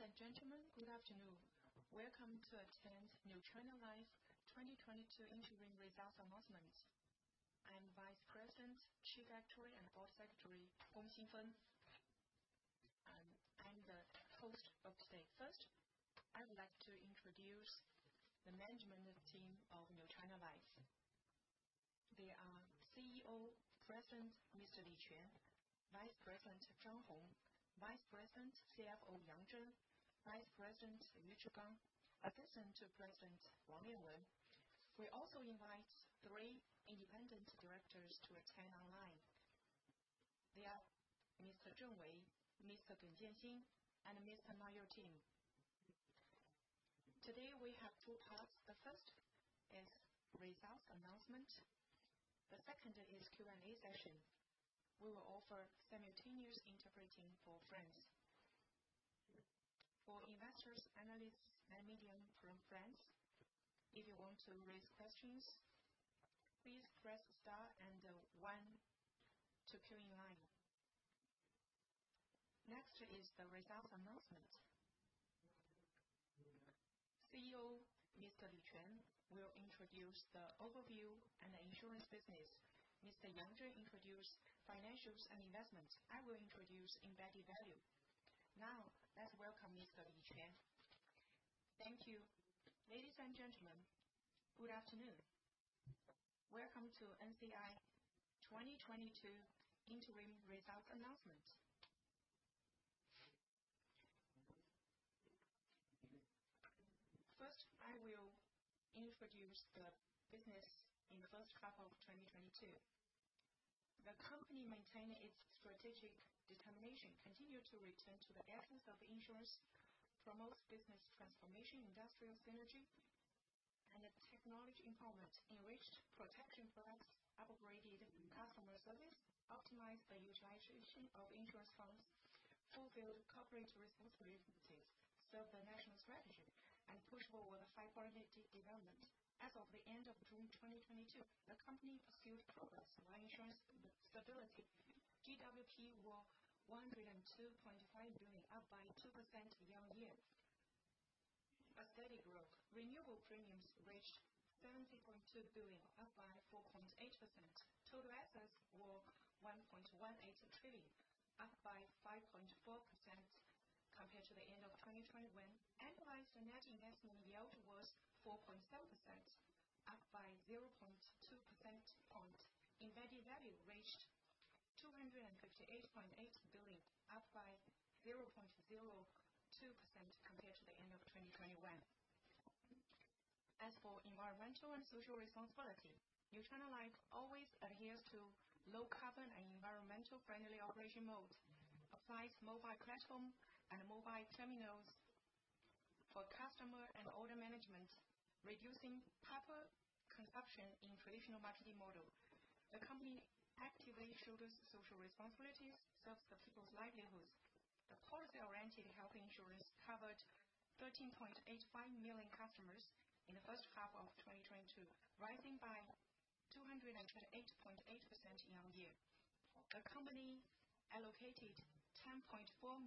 Ladies and gentlemen, good afternoon. Welcome to attend New China Life's 2022 interim results announcement. I am Vice President, Chief Actuary and Board Secretary, Gong Xingfeng. I'm the host of today. First, I would like to introduce the management team of New China Life. They are CEO President Mr. Li Quan, Vice President Zhang Hong, Vice President CFO Yang Zheng, Vice President Yu Zhigang, Assistant President Zhongzhu Wang. We also invite three independent directors to attend online. They are Mr. Zheng Wei, Mr. Geng Jianxin, and Mr. Mario Tam. Today, we have two parts. The first is results announcement. The second is Q&A session. We will offer simultaneous interpreting for friends. For investors, analysts, and media from friends, if you want to raise questions, please press star and one to queue in line. Next is the results announcement. CEO Mr. Li Quan will introduce the overview and insurance business. Mr. Yang Zheng introduce financials and investments. I will introduce embedded value. Now, let's welcome Mr. Li Quan. Thank you. Ladies and gentlemen, good afternoon. Welcome to NCI 2022 interim results announcement. First, I will introduce the business in first half of 2022. The company maintaining its strategic determination continue to return to the essence of insurance, promotes business transformation, industrial synergy and the technology empowerment, enriched protection products, upgraded customer service, optimized the utilization of insurance funds, fulfilled corporate responsibilities, served the national strategy, and pushed forward the high-quality development. As of the end of June 2022, the company pursued progress by insurance stability. GWP were 102.5 billion, up by 2% year-on-year. A steady growth. Renewable premiums reached CNY 70.2 billion, up by 4.8%. Total assets were 1.18 trillion, up by 5.4% compared to the end of 2021. Annualized net investment yield was 4.7%, up by 0.2 percentage points. Embedded value reached 258.8 billion, up by 0.02% compared to the end of 2021. As for environmental and social responsibility, New China Life always adheres to low-carbon and environmentally friendly operation mode. Applies mobile platform and mobile terminals for customer and order management, reducing paper consumption in traditional marketing model. The company actively shoulders social responsibilities, serves the people's livelihoods. The policy-oriented health insurance covered 13.85 million customers in the first half of 2022, rising by 208.8% year-on-year. The company allocated 10.4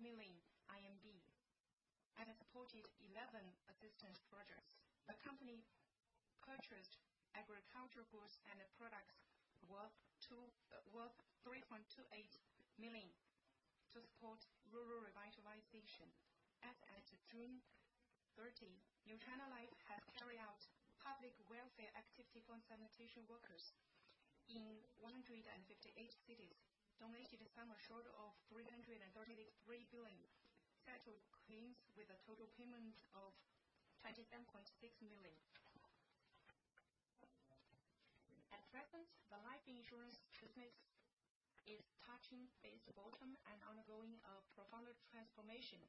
million and supported 11 assistance projects. The company purchased agricultural goods and products worth 3.28 million to support rural revitalization. As at June 30, New China Life has carried out public welfare activity for sanitation workers in 158 cities. Donation to summer heat of 333 million. Settled claims with a total payment of 27.6 million. At present, the life insurance business is touching its bottom and undergoing a profound transformation.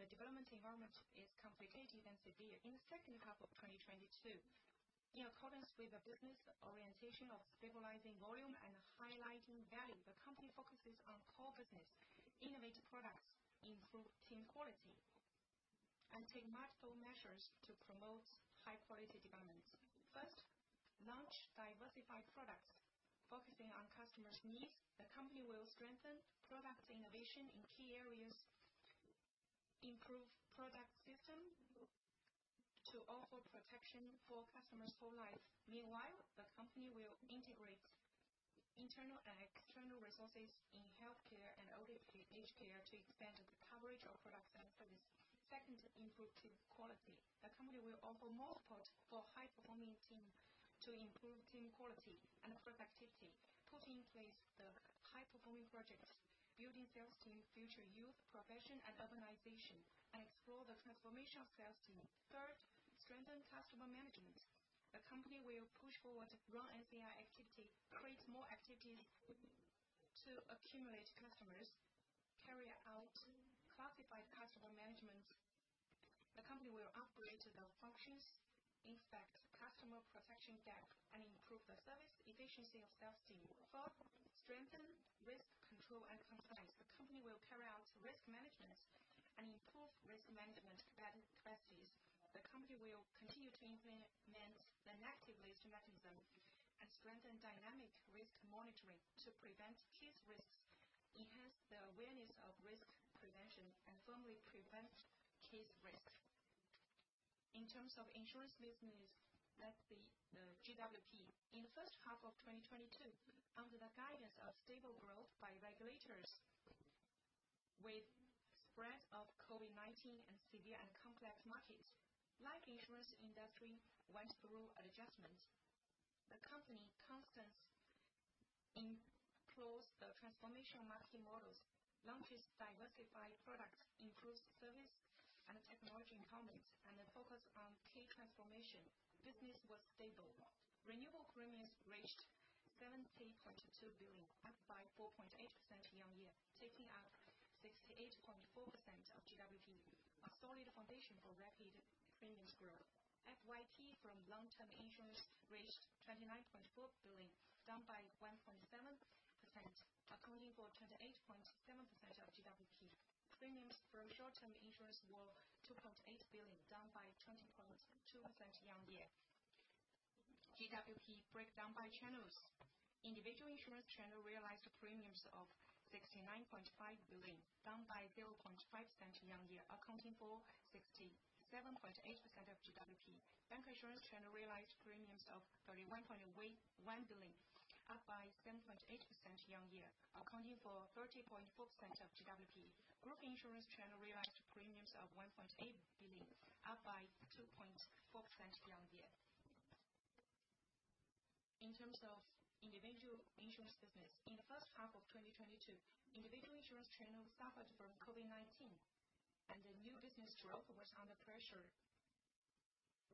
The development environment is complicated and severe. In the second half of 2022, in accordance with the business orientation of stabilizing volume and highlighting value, the company focuses on core business, innovate products, improve team quality, and take multiple measures to promote high-quality developments. First, launch diversified products. Focusing on customers' needs, the company will strengthen product innovation in key areas, improve product system to offer protection for customers' whole life. Meanwhile, the company will integrate internal and external resources in healthcare and elderly care to expand the coverage of products and service. Second, improve team quality. The company will offer more support for high-performing team to improve team quality and productivity. Put in place the high-performing projects, building sales team future youth, profession, and urbanization, and explore the transformational sales team. Third, strengthen customer management. The company will push forward Run NCI activity, create more activities to accumulate customers, carry out classified customer management. The company will upgrade the functions, inspect customer protection gap, and improve the service efficiency of sales team. Fourth, strengthen risk control and compliance. The company will continue to implement selective strategic themes and strengthen dynamic risk monitoring to prevent case risks, enhance the awareness of risk prevention, and firmly prevent case risk. In terms of insurance business, let's see the GWP. In the first half of 2022, under the guidance of stable growth by regulators with spread of COVID-19 and severe and complex markets, life insurance industry went through adjustments. The company constantly includes the transformation market models, launches diversified products, improves service and technology empowerment, and a focus on key transformation. Business was stable. Renewal premiums reached 70.2 billion, up by 4.8% year-on-year, taking up 68.4% of GWP. A solid foundation for rapid premiums growth. FYP from long-term insurance reached 29.4 billion, down by 1.7%, accounting for 28.7% of GWP. Premiums for short-term insurance were 2.8 billion, down by 20.2% year-on-year. GWP breakdown by channels. Individual insurance channel realized premiums of 69.5 billion, down by 0.5% year-on-year, accounting for 67.8% of GWP. Bank insurance channel realized premiums of 31.1 billion, up by 7.8% year-on-year, accounting for 30.4% of GWP. Group insurance channel realized premiums of 1.8 billion, up by 2.4% year-on-year. In terms of individual insurance business, in the first half of 2022, individual insurance channel suffered from COVID-19, and the new business growth was under pressure.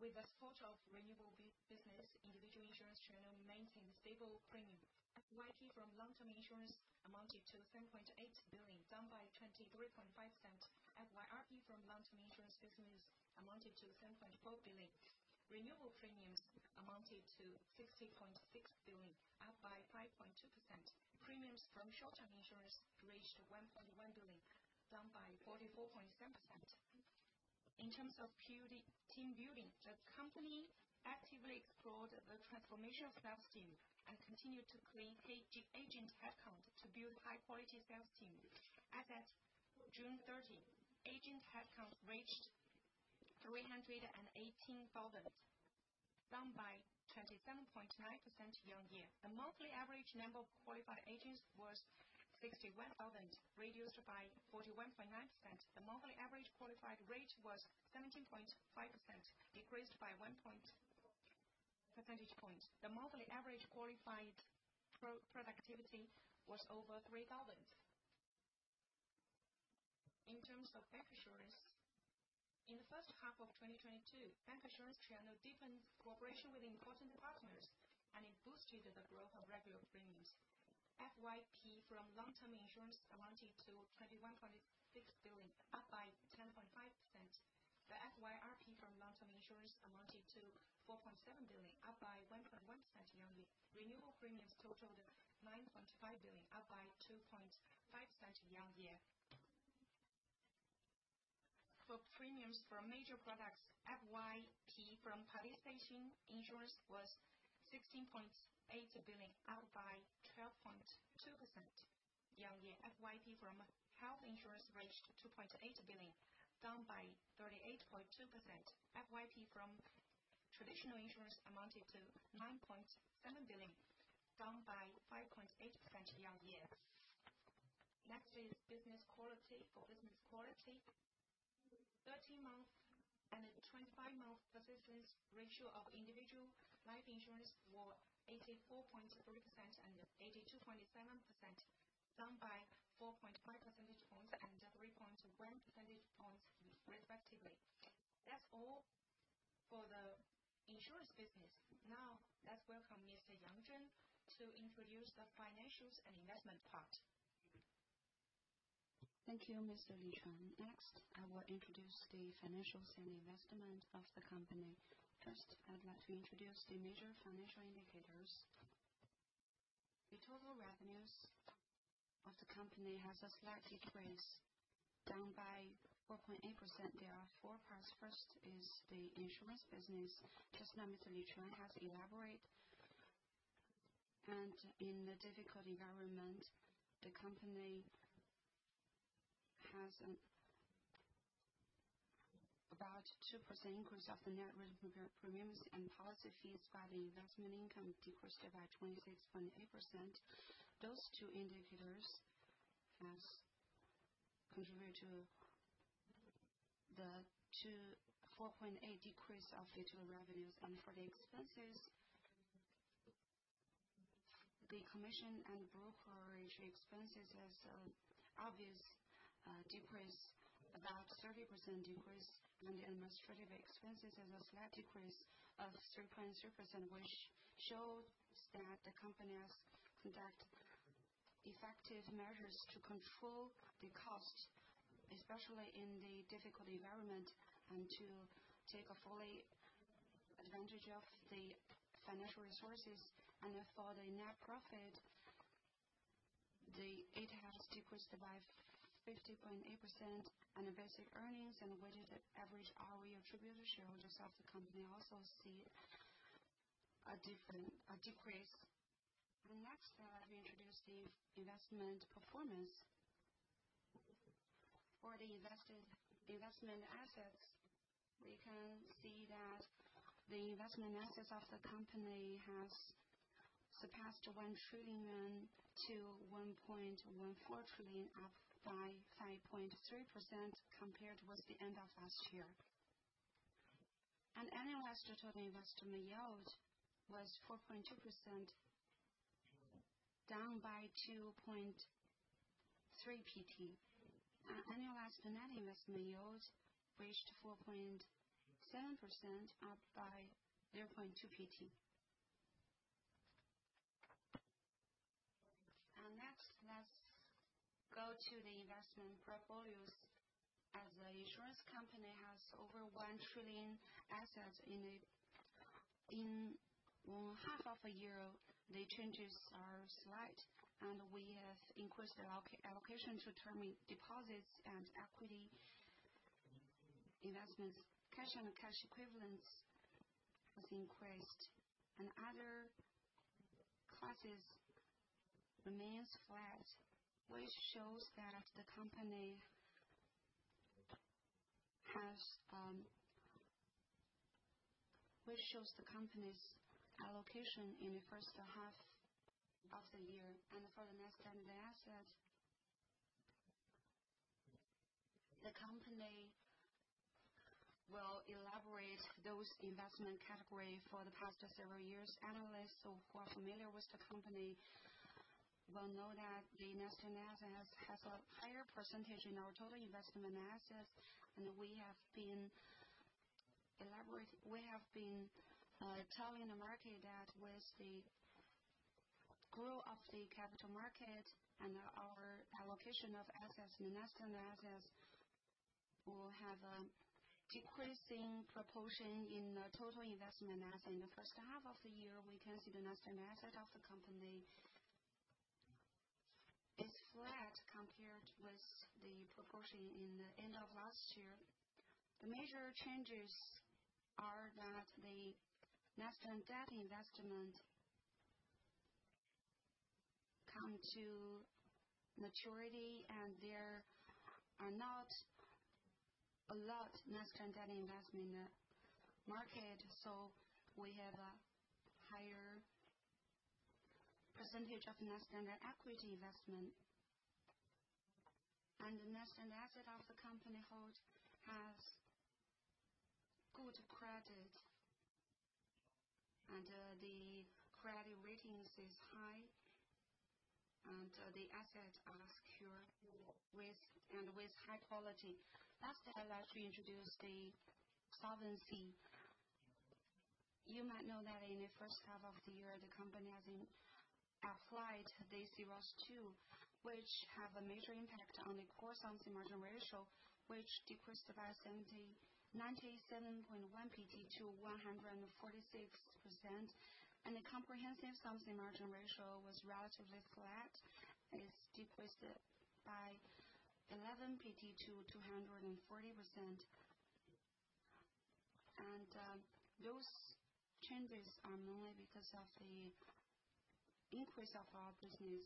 With the support of renewable business, individual insurance channel maintained stable premium. FYP from long-term insurance amounted to 10.8 billion, down by 23.5%. FYRP from long-term insurance business amounted to 10.4 billion. Renewable premiums amounted to 60.6 billion, up by 5.2%. Premiums from short-term insurance reached 1.1 billion, down by 44.7%. In terms of pure team building, the company actively explored the transformation of sales team and continued to increase agent headcount to build high-quality sales team. As at June 13, agent headcount reached 318,000, down by 27.9% year-on-year. The monthly average number of qualified agents was 61,000, reduced by 41.9%. The monthly average qualified rate was 17.5%, decreased by 1 percentage point. The monthly average qualified per-productivity was over 3,000. In terms of bank insurance, in the first half of 2022, bank insurance channel deepened cooperation with important partners, and it boosted the growth of regular premiums. FYP from long-term insurance amounted to 21.6 billion, up by 10.5%. The FYRP from long-term insurance amounted to 4.7 billion, up by 1.1% year-on-year. Renewal premiums totaled 9.5 billion, up by 2.5% year-on-year. For premiums from major products, FYP from participation insurance was 16.8 billion, up by 12.2% year-on-year. FYP from health insurance reached 2.8 billion, down by 38.2%. FYP from traditional insurance amounted to 9.7 billion, down by 5.8% year-on-year. Next is business quality. For business quality, 13-month and a 25-month persistence ratio of individual life insurance were 84.3% and 82.7%, down by 4.5 percentage points and 3.1 percentage points, respectively. That's all for the insurance business. Now, let's welcome Mr. Yang Zheng to introduce the financials and investment part. Thank you, Mr. Li Quan. Next, I will introduce the financials and investment of the company. First, I'd like to introduce the major financial indicators. The total revenues of the company has a slight decrease, down by 4.8%. There are four parts. First is the insurance business. New China Life Insurance has elaborated, and in the difficult environment, the company has about 2% increase of the net premiums and policy fees, while the investment income decreased by 26.8%. Those two indicators has contributed to the 4.8% decrease of the total revenues. For the expenses, the commission and brokerage expenses has obvious decrease, about 30% decrease. The administrative expenses have a slight decrease of 3.0%, which shows that the company has conducted effective measures to control the costs, especially in the difficult environment, and to take full advantage of the financial resources. For the net profit to the equity holders decreased by 50.8% on basic earnings and weighted average ROE attributable to shareholders of the company also see a decrease. The next slide, we introduce the investment performance. For the investment assets, we can see that the investment assets of the company have surpassed 1 trillion to 1.14 trillion, up by 5.3% compared with the end of last year. Annualized return on investment yields was 4.2%, down by 2.3 PT. Annualized net investment yields reached 4.7%, up by 0.2 PT. Next, let's go to the investment portfolios. As the insurance company has over 1 trillion assets in one half of a year, the changes are slight, and we have increased the allocation to term deposits and equity investments. Cash and cash equivalents was increased and other classes remains flat, which shows the company's allocation in the first half of the year. For the next end, the assets. The company will elaborate those investment category for the past several years. Analysts who are familiar with the company will know that the alternative investments has a higher percentage in our total investment assets, and we have been telling the market that with the growth of the capital market and our allocation of assets, alternative investments will have a decreasing proportion in the total investment asset. In the first half of the year, we can see the alternative investment of the company is flat compared with the proportion in the end of last year. The major changes are that the alternative debt investment come to maturity, and there are not a lot alternative debt investment in the market, so we have a higher percentage of alternative equity investment. Alternative investment of the company hold has good credit, and the credit ratings is high, and the asset are secure with, and with high quality. Next, I'd like to introduce the solvency. You might know that in the first half of the year, the company has applied the C-ROSS II, which have a major impact on the core solvency margin ratio, which decreased about 97.1 PT to 146%. The comprehensive solvency margin ratio was relatively flat. It's decreased by 11 PT to 240%. Those changes are mainly because of the increase of our business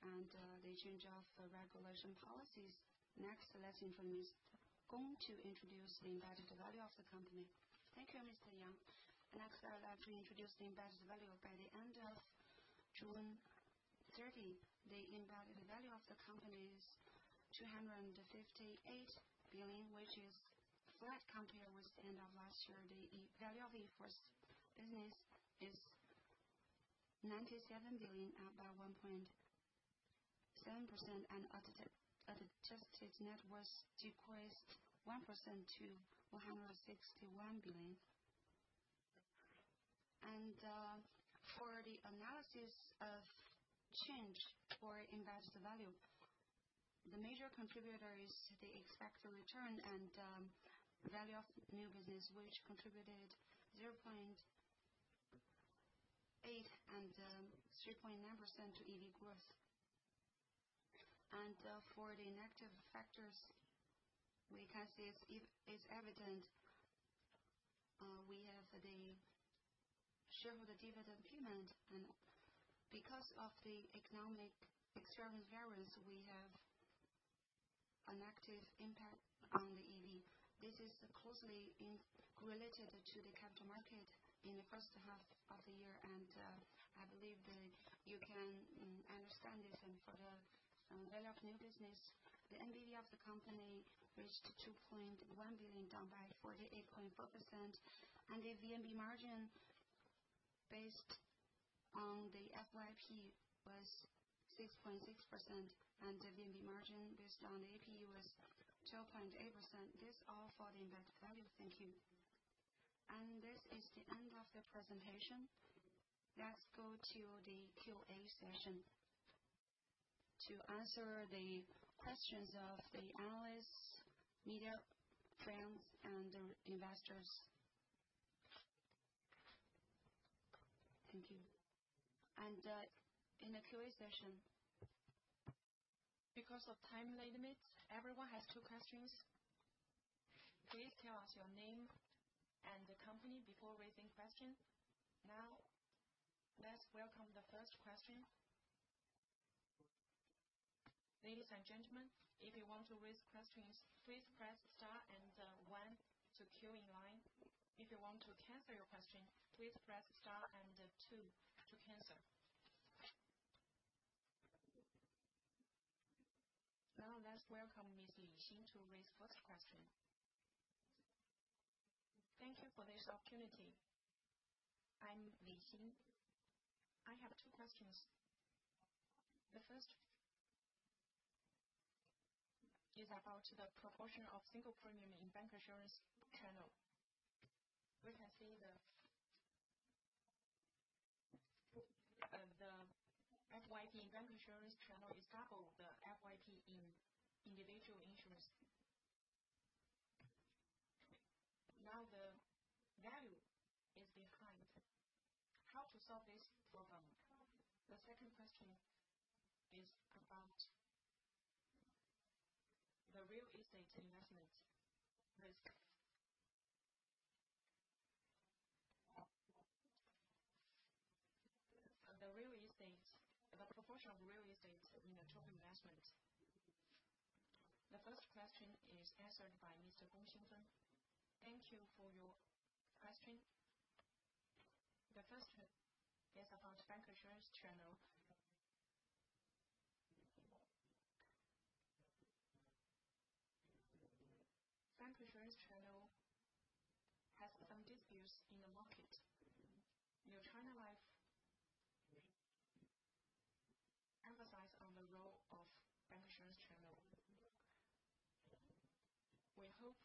and the change of regulation policies. Next, let's invite Miss Gong to introduce the embedded value of the company. Thank you, Mr. Yang. Next, I'd like to introduce the embedded value. By the end of June 30, the embedded value of the company is 258 billion, which is flat compared with the end of last year. The value of new business is 97 billion, up by 1.7%, and adjusted net was decreased 1% to 461 billion. For the analysis of change for embedded value, the major contributor is the expected return and value of new business, which contributed 0.8% and 3.9% to EV growth. For the negative factors, we can see it's evident we have the shareholder dividend payment and because of the economic external variance, we have an adverse impact on the EV. This is closely related to the capital market in the first half of the year. I believe that you can understand this. For the value of new business, the VNB of the company reached 2.1 billion, down by 48.4%. The VNB margin based on the FYP was 6.6% and the VNB margin based on AP was 12.8%. This is all for the embedded value. Thank you. This is the end of the presentation. Let's go to the Q&A session to answer the questions of the analysts, media, friends, and investors. Thank you. In the Q&A session, because of time limits, everyone has two questions. Please tell us your name and the company before raising question. Now let's welcome the first question. Ladies and gentlemen, if you want to raise questions, please press star and one to queue in line. If you want to cancel your question, please press star and two to cancel. Now let's welcome Miss Li Xin to raise first question. Thank you for this opportunity. I'm Li Xin. I have two questions. The first is about the proportion of single premium in bank insurance channel. We can see the FYP in bank insurance channel is double the FYP in individual insurance. Now the value is behind, how to solve this problem. The second question is about the real estate investment risk. The proportion of real estate in the total investment. The first question is answered by Mr. Gong Xingfeng. Thank you for your question. The first is about bank insurance channel. Bank insurance channel has some disuse in the market. New China Life emphasize on the role of bank insurance channel. We hope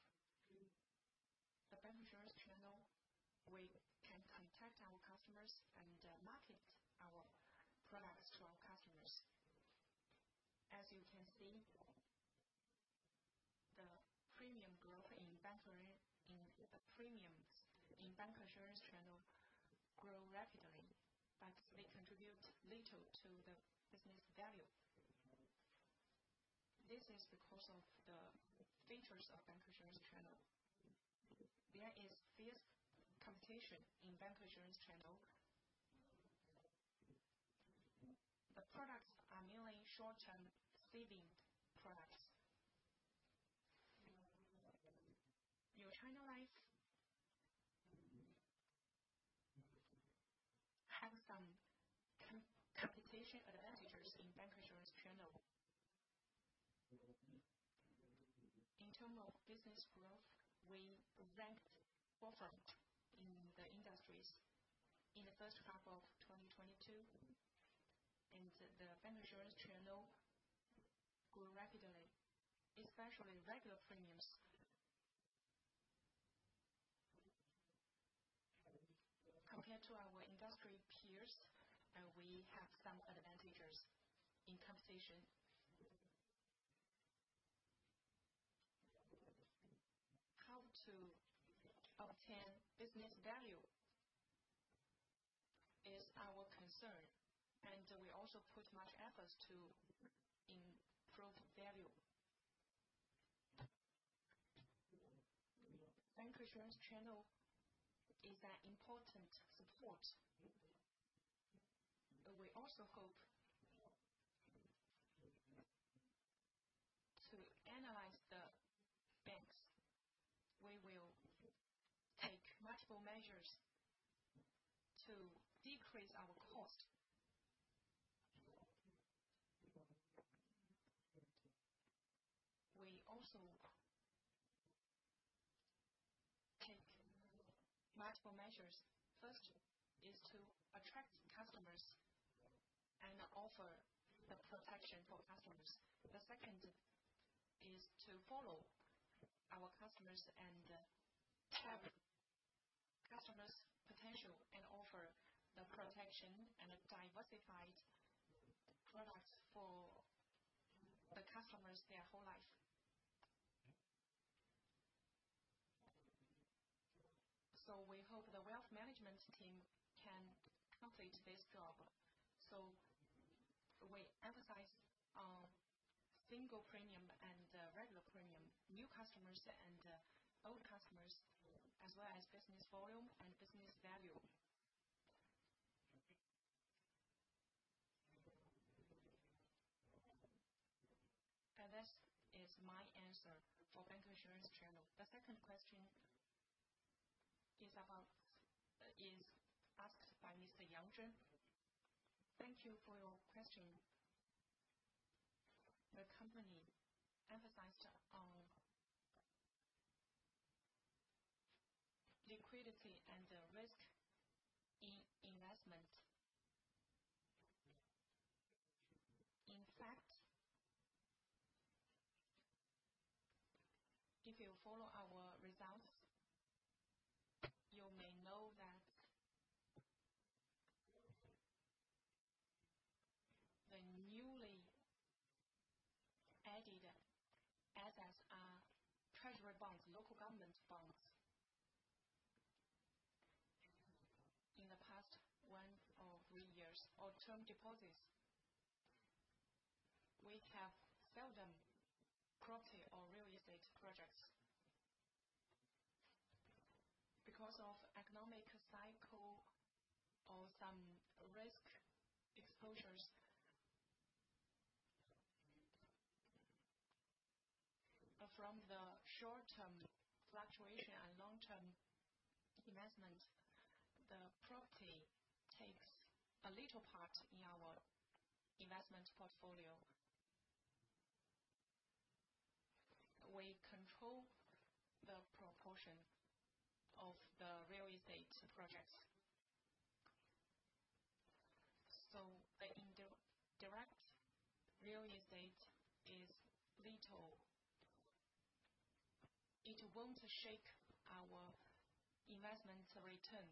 the bank insurance channel, we can contact our customers and market our products to our customers. As you can see, the premium growth in the premiums in bank insurance channel grow rapidly, but they contribute little to the business value. This is because of the features of bank insurance channel. There is fierce competition in bank insurance channel. The products are mainly short-term saving products. New China Life have some competition advantages in bank insurance channel. In terms of business growth, we ranked fourth in the industry in the first half of 2022, and the bank insurance channel grew rapidly, especially regular premiums. Compared to our industry peers, we have some advantages in compensation. How to obtain business value is our concern, and we also put much efforts to improve value. Bank insurance channel is an important support. We also hope to analyze the banks. We will take multiple measures to decrease our cost. We also take multiple measures. First is to attract customers and offer the protection for customers. The second is to follow our customers and tap customers' potential and offer the protection and diversified products for the customers their whole life. We hope the wealth management team can complete this job. We emphasize on single premium and regular premium, new customers and old customers, as well as business volume and business value. This is my answer for bank insurance channel. The second question is asked by Mr. Yang Zheng. Thank you for your question. The company emphasized on liquidity and risk in investment. In fact, if you follow our results, you may know that. Government bonds. In the past one or three years, our term deposits, we have seldom property or real estate projects. Because of economic cycle or some risk exposures. From the short-term fluctuation and long-term investment, the property takes a little part in our investment portfolio. We control the proportion of the real estate projects. The indirect real estate is little. It won't shake our investment return.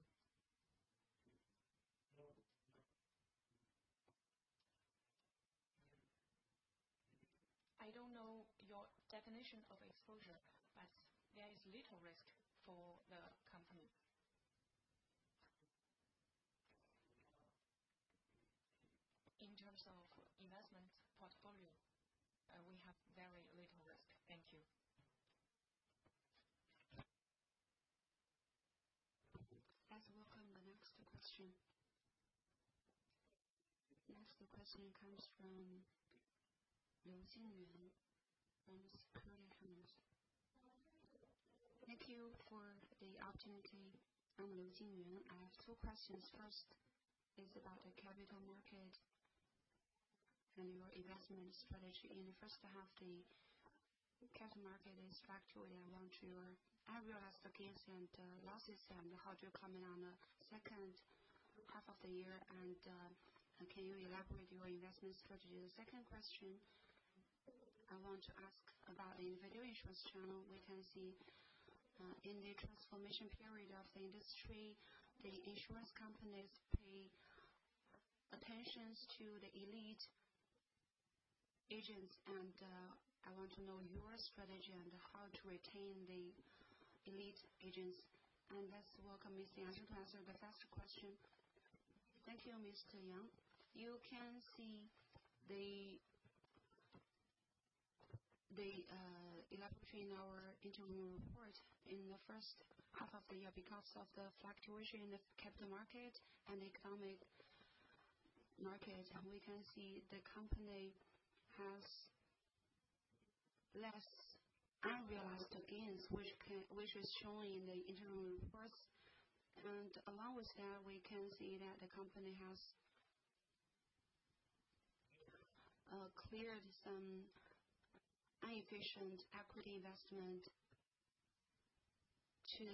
I don't know your definition of exposure, but there is little risk for the company. In terms of investment portfolio, we have very little risk. Thank you. Let's welcome the next question. Next question comes from Liu Jingyuan from Bloomberg News. Thank you for the opportunity. I'm Liu Jingyuan. I have two questions. First is about the capital market and your investment strategy. In the first half, the capital market is fluctuating around your unrealized gains and losses. How do you comment on the second half of the year, and can you elaborate your investment strategy? The second question I want to ask about the individual insurance channel. We can see in the transformation period of the industry, the insurance companies pay attention to the elite agents, and I want to know your strategy and how to retain the elite agents. Let's welcome Miss Liang to answer the first question. Thank you, Miss Liu Jingyuan. You can see elaborating our interim report in the first half of the year because of the fluctuation in the capital market and economy. We can see the company has less unrealized gains, which is showing in the interim reports. Along with that, we can see that the company has cleared some inefficient equity investment to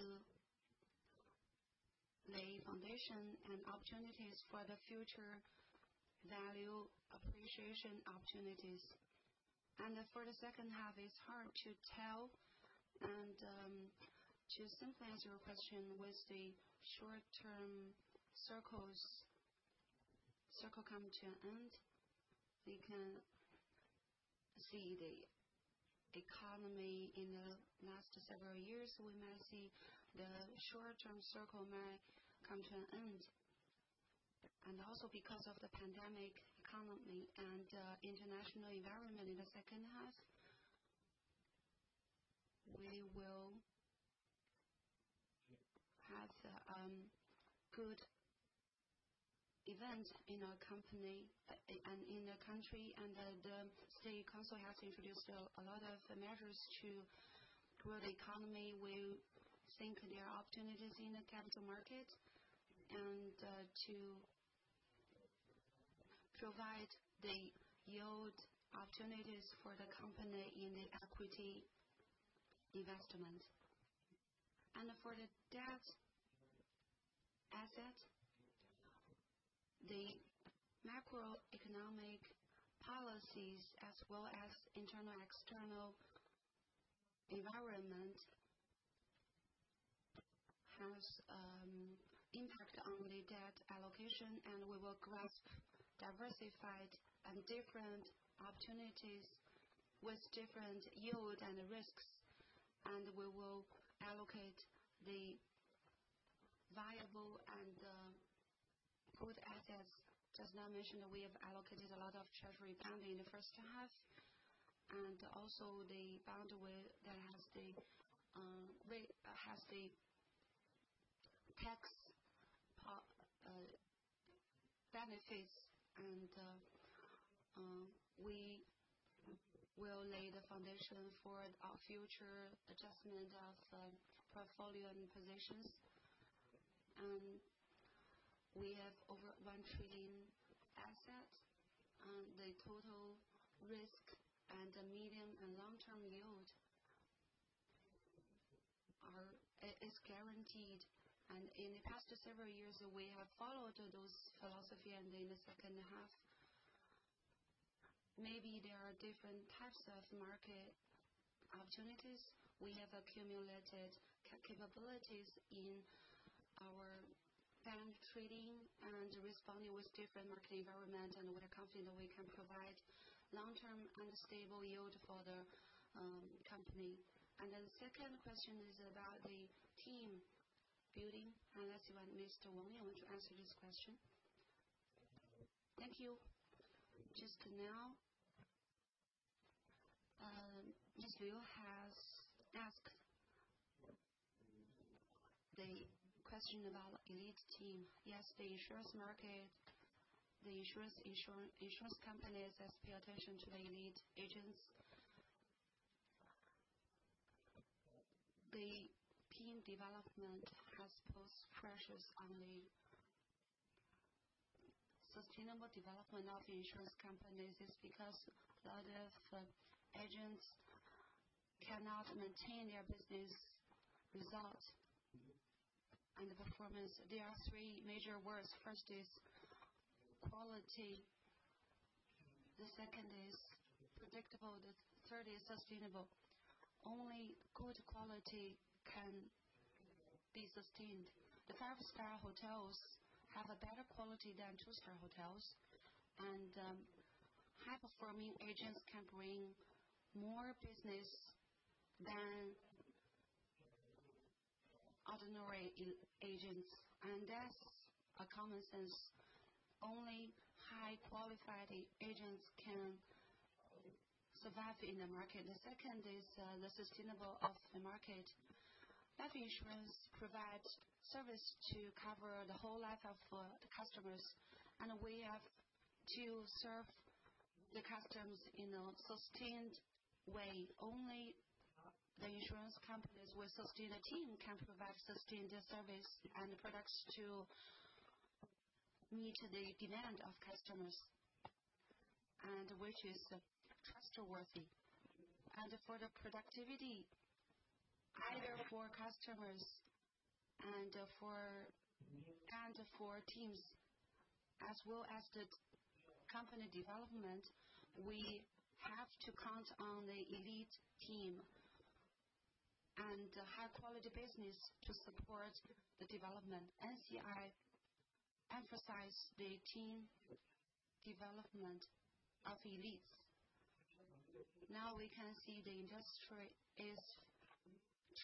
lay foundation and opportunities for the future value appreciation opportunities. For the second half, it's hard to tell. To synthesize your question with the short-term cycles coming to an end, we can see the economy in the last several years. We might see the short-term cycle come to an end. Also because of the pandemic economy and international environment in the second half, we will have good events in our company and in the country and the State Council has introduced a lot of measures to grow the economy. We think there are opportunities in the capital market and to provide the yield opportunities for the company in the equity investment. For the debt asset, the macroeconomic policies as well as internal and external environment has impact on the debt allocation, and we will grasp diversified and different opportunities with different yield and risks, and we will allocate the viable and good assets. Just now mentioned, we have allocated a lot of treasury funding in the first half, and also the bond that has the tax benefits. We will lay the foundation for our future adjustment of the portfolio and positions. We have over 1 trillion assets, and the total risk and the medium- and long-term yield is guaranteed. In the past several years, we have followed those philosophy. In the second half, maybe there are different types of market opportunities. We have accumulated capabilities in trading and responding to different market environment and with a company that we can provide long-term and stable yield for the company. Second question is about the team building, and that's when Mr. Wang Zhongzhu wants to answer this question. Thank you. Just now, Miss Liu has asked the question about elite team. Yes, the insurance market, insurance companies has to pay attention to the elite agents. The team development has put pressures on the sustainable development of insurance companies is because a lot of agents cannot maintain their business results and the performance. There are three major words. First is quality, the second is predictable, the third is sustainable. Only good quality can be sustained. The five-star hotels have a better quality than two-star hotels. High-performing agents can bring more business than ordinary agents, and that's common sense. Only highly qualified agents can survive in the market. The second is the sustainability of the market. Life insurance provides service to cover the whole life of the customers, and we have to serve the customers in a sustained way. Only the insurance companies with sustained team can provide sustained service and products to meet the demand of customers, and which is trustworthy. For the productivity, either for customers and for teams, as well as the company development, we have to count on the elite team and high-quality business to support the development. NCI emphasize the team development of elites. Now we can see the industry is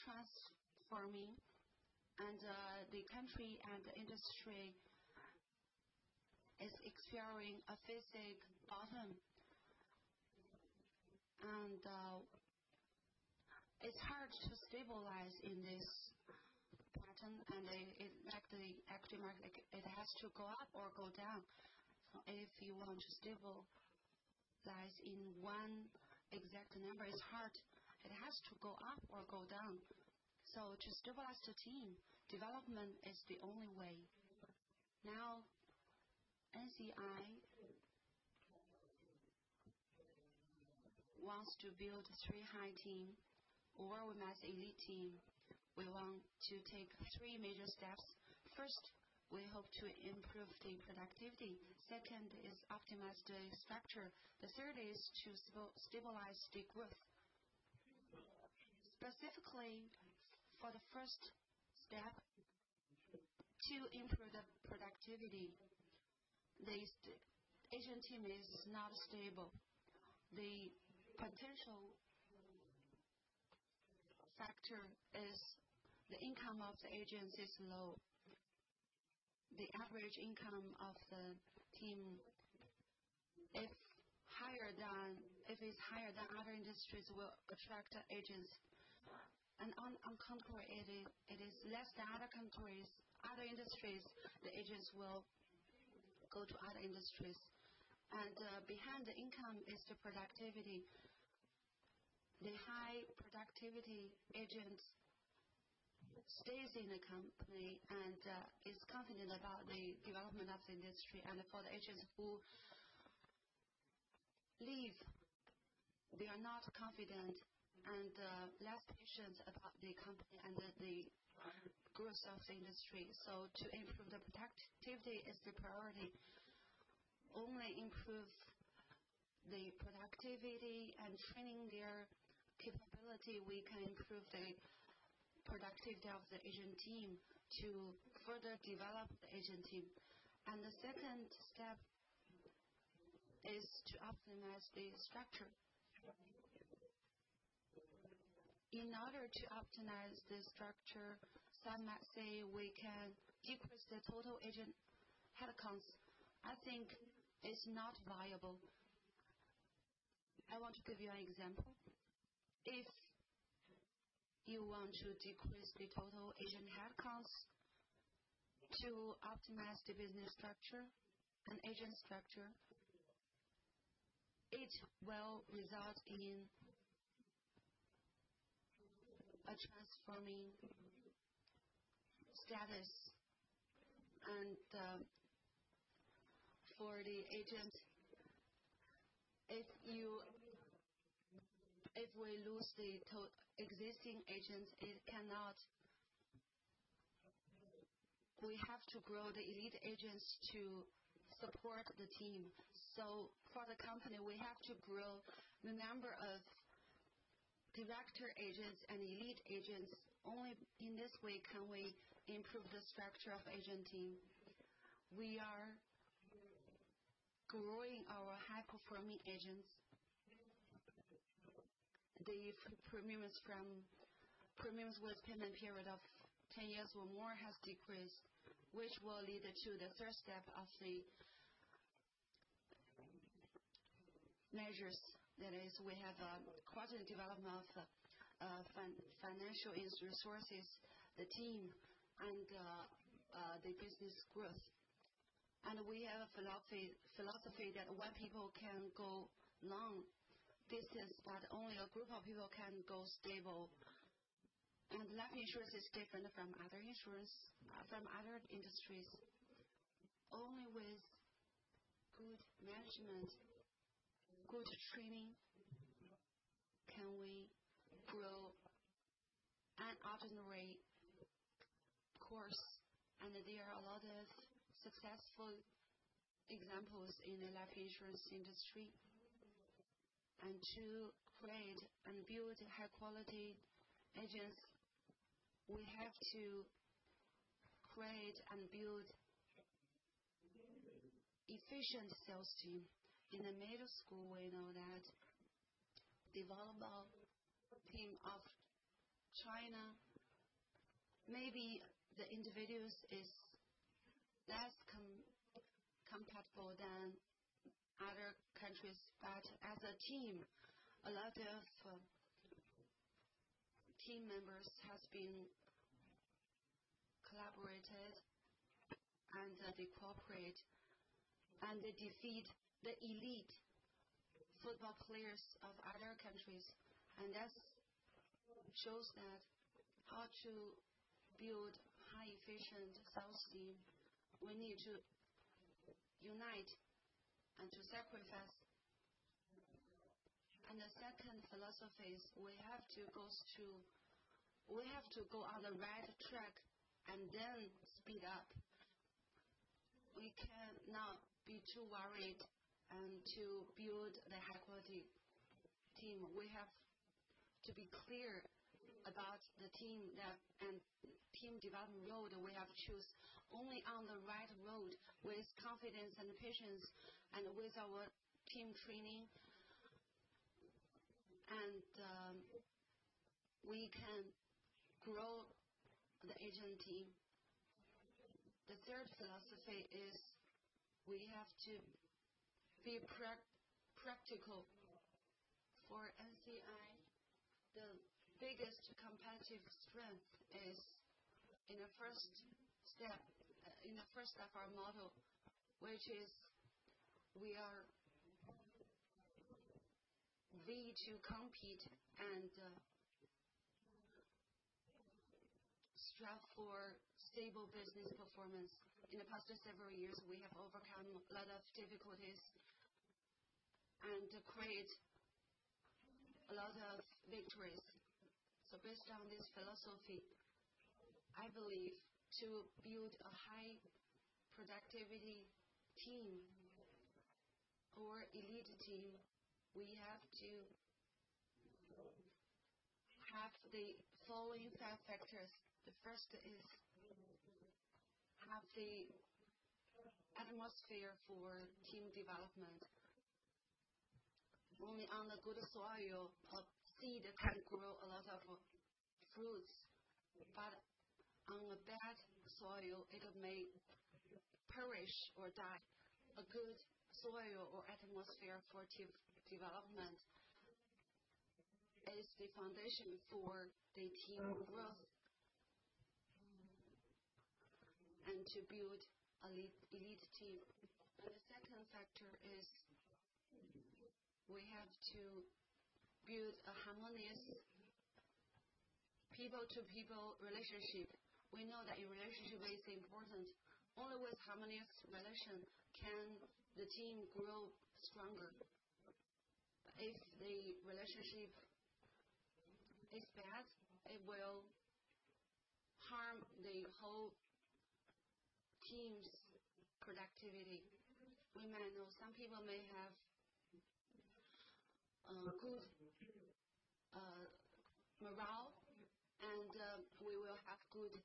transforming, and the country and the industry is experiencing a fiscal bottom. It's hard to stabilize in this bottom. Like the equity market, it has to go up or go down. If you want to stabilize in one exact number, it's hard. It has to go up or go down. To stabilize the team, development is the only way. Now, NCI wants to build three high team or with mass elite team. We want to take three major steps. First, we hope to improve the productivity. Second is optimize the structure. The third is to stabilize the growth. Specifically for the first step to improve the productivity, this agent team is not stable. The potential factor is the income of the agents is low. The average income of the team, it's higher than. If it's higher than other industries, we'll attract agents. On the contrary, it is less than other countries, other industries. The agents will go to other industries. Behind the income is the productivity. The high-productivity agents stays in the company and is confident about the development of the industry. For the agents who leave, they are not confident and less patient about the company and the growth of the industry. To improve the productivity is the priority. Only improve the productivity and training their capability, we can improve the productivity of the agent team to further develop the agent team. The second step is to optimize the structure. In order to optimize the structure, some might say we can decrease the total agent headcounts. I think it's not viable. I want to give you an example. If you want to decrease the total agent headcounts to optimize the business structure and agent structure, it will result in a transforming status. For the agent, if we lose the existing agents, it cannot. We have to grow the elite agents to support the team. For the company, we have to grow the number of director agents and elite agents, only in this way can we improve the structure of agent team. We are growing our high-performing agents. The premiums with payment period of 10 years or more has decreased, which will lead to the third step of the measures. That is, we have quality development of financial resources, the team and the business growth. We have a philosophy that one person can go long distance, but only a group of people can go far. Life insurance is different from other insurance, from other industries. Only with good management, good training, can we grow an ordinary force. There are a lot of successful examples in the life insurance industry. To create and build high-quality agents, we have to create and build efficient sales team. In the middle school, we know that the volleyball team of China, maybe the individuals is less compatible than other countries. As a team, a lot of team members has been collaborated and they cooperate, and they defeat the elite volleyball players of other countries. That shows that how to build high efficient sales team, we need to unite and to sacrifice. The second philosophy is we have to go on the right track and then speed up. We cannot be too worried, and to build the high-quality team, we have to be clear about the team and team development road we have choose. Only on the right road with confidence and patience, and with our team training, and, we can grow the agent team. The third philosophy is we have to be practical. For NCI, the biggest competitive strength is in the first step, our model, which is we need to compete and strive for stable business performance. In the past several years, we have overcome a lot of difficulties and create a lot of victories. Based on this philosophy, I believe to build a high productivity team or elite team, we have to have the following five factors. The first is have the atmosphere for team development. Only on the good soil a seed can grow a lot of fruits. On a bad soil, it may perish or die. A good soil or atmosphere for team development is the foundation for the team growth and to build elite team. The second factor is we have to build a harmonious people-to-people relationship. We know that a relationship is important. Only with harmonious relation can the team grow stronger. If the relationship is bad, it will harm the whole team's productivity. We may know some people may have good morale, and we will have good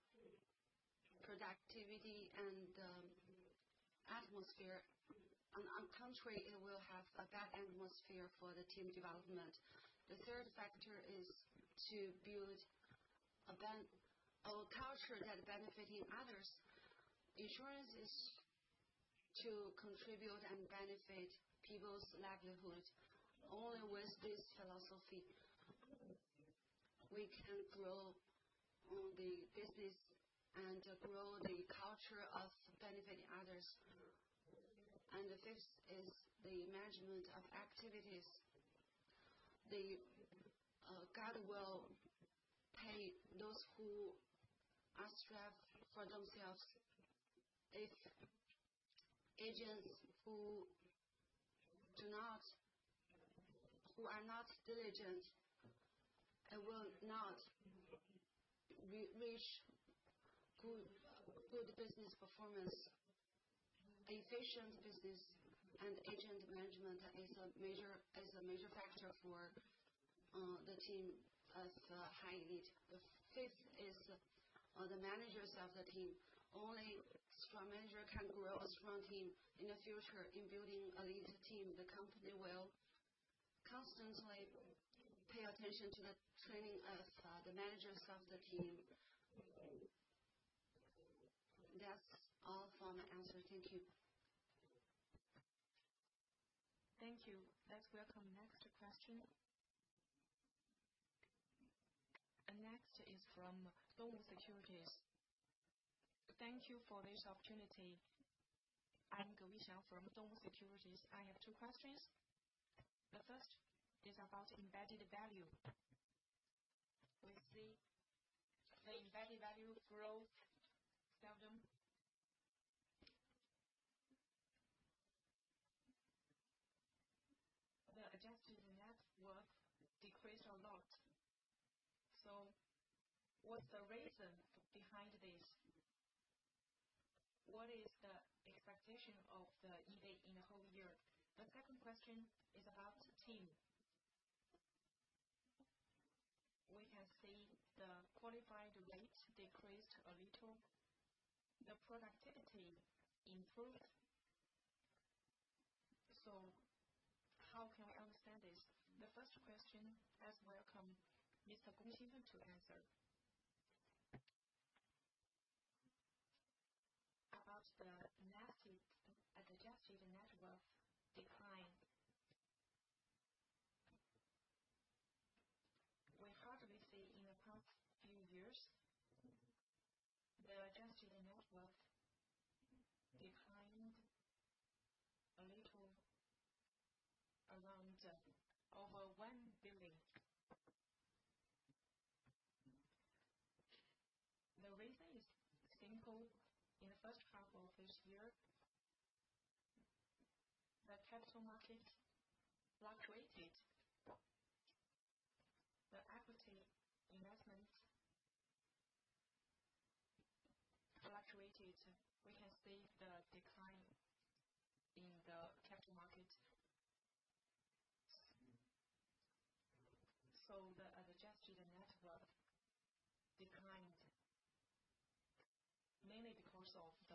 productivity and atmosphere. On the contrary, it will have a bad atmosphere for the team development. The third factor is to build a culture that benefiting others. Insurance is to contribute and benefit people's livelihood. Only with this philosophy we can grow the business and grow the culture of benefiting others. The fifth is the management of activities. God will pay those who strive for themselves. If agents who are not diligent and will not reach good business performance. Efficient business and agent management is a major factor for the team as a high need. The fifth is the managers of the team. Only strong manager can grow a strong team. In the future, in building a lead team, the company will constantly pay attention to the training of the managers of the team. That's all for my answer. Thank you. Thank you. Let's welcome next question. Next is from Dongwu Securities. Thank you for this opportunity. I'm [Gavisia] from Dongwu Securities. I have two questions. The first is about embedded value. We see the embedded value growth. The adjusted net worth decreased a lot. What's the reason behind this? What is the expectation of the EV in whole year? The second question is about team. We have seen the qualified rate decreased a little, the productivity improved. How can we understand this? The first question, let's welcome Mr. Gong Xingfeng to answer. About the net adjusted net worth decline. We hardly see in the past few years, the adjusted net worth declined a little around over CNY 1 billion. The reason is simple. In the first half of this year, the capital market fluctuated. The equity investment fluctuated. We can see the decline in the capital market. The adjusted net worth declined mainly because of the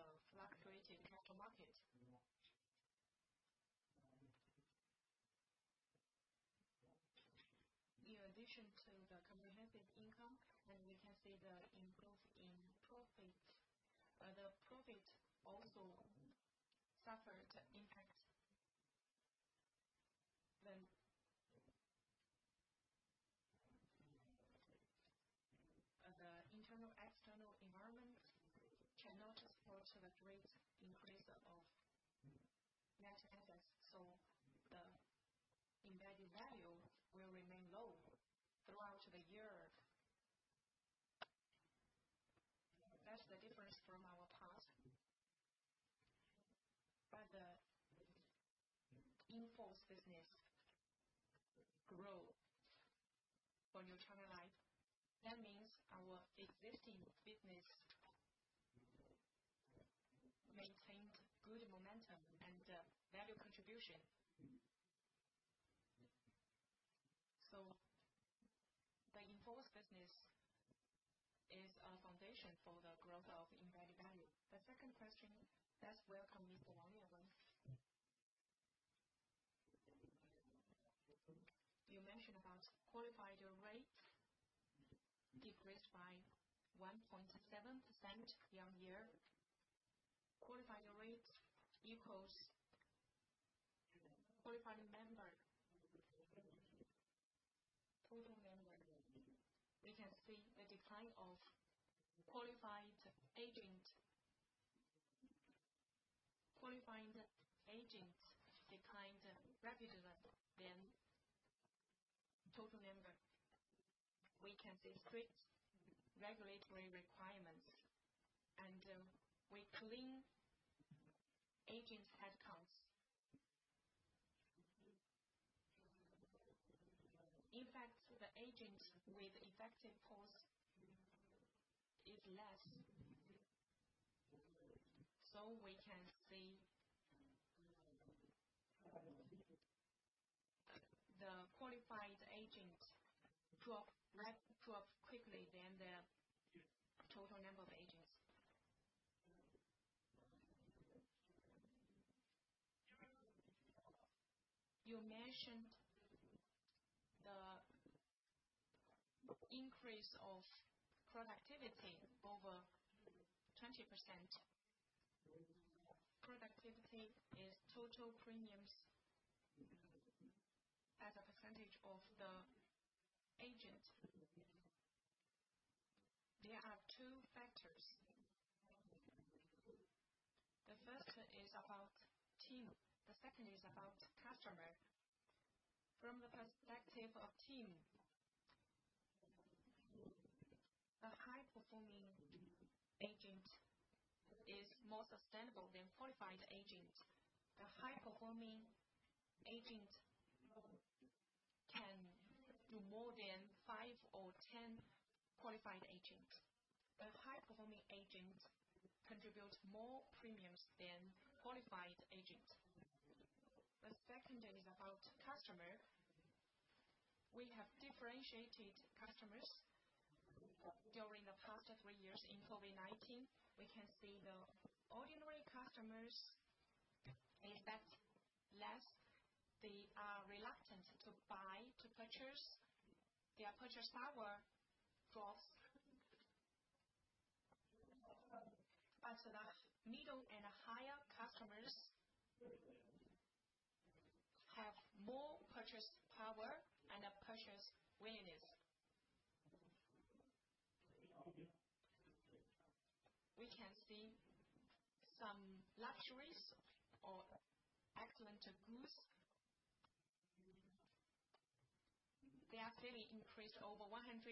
fluctuating capital market. In addition to the comprehensive income, and we can see the improvement in profit, but the profit also suffered impact. The internal-external environment cannot support the great increase of net assets, the embedded value will remain low throughout the year. That's the difference from our past. The in-force business growth for New China Life, that means our existing business maintained good momentum and value contribution. The in-force business is a foundation for the growth of embedded value. The second question, let's welcome Mr. Wang Zhongzhu. You mentioned about qualified rate decreased by 1.7% year-on-year. Qualified rate equals qualified member, total member. We can see the decline of qualified agent. Qualified agents declined rapidly than total member. We can see strict regulatory requirements, and we clean agent headcounts. In fact, the agent with effective policy is less. So we can see the qualified agent drop quickly than the total number of agents. You mentioned the increase of productivity over 20%. Productivity is total premiums as a percentage of the agent. There are two factors. The first is about team. The second is about customer. From the perspective of team, a high-performing agent is more sustainable than qualified agent. The high-performing agent can do more than five or 10 qualified agents. The high-performing agents contribute more premiums than qualified agents. The second thing is about customer. We have differentiated customers during the past three years in COVID-19. We can see the ordinary customers, they spent less. They are reluctant to buy, to purchase. Their purchase power drops. The middle and higher customers have more purchase power and a purchase willingness. We can see some luxuries or excellent goods. They are clearly increased over 100%.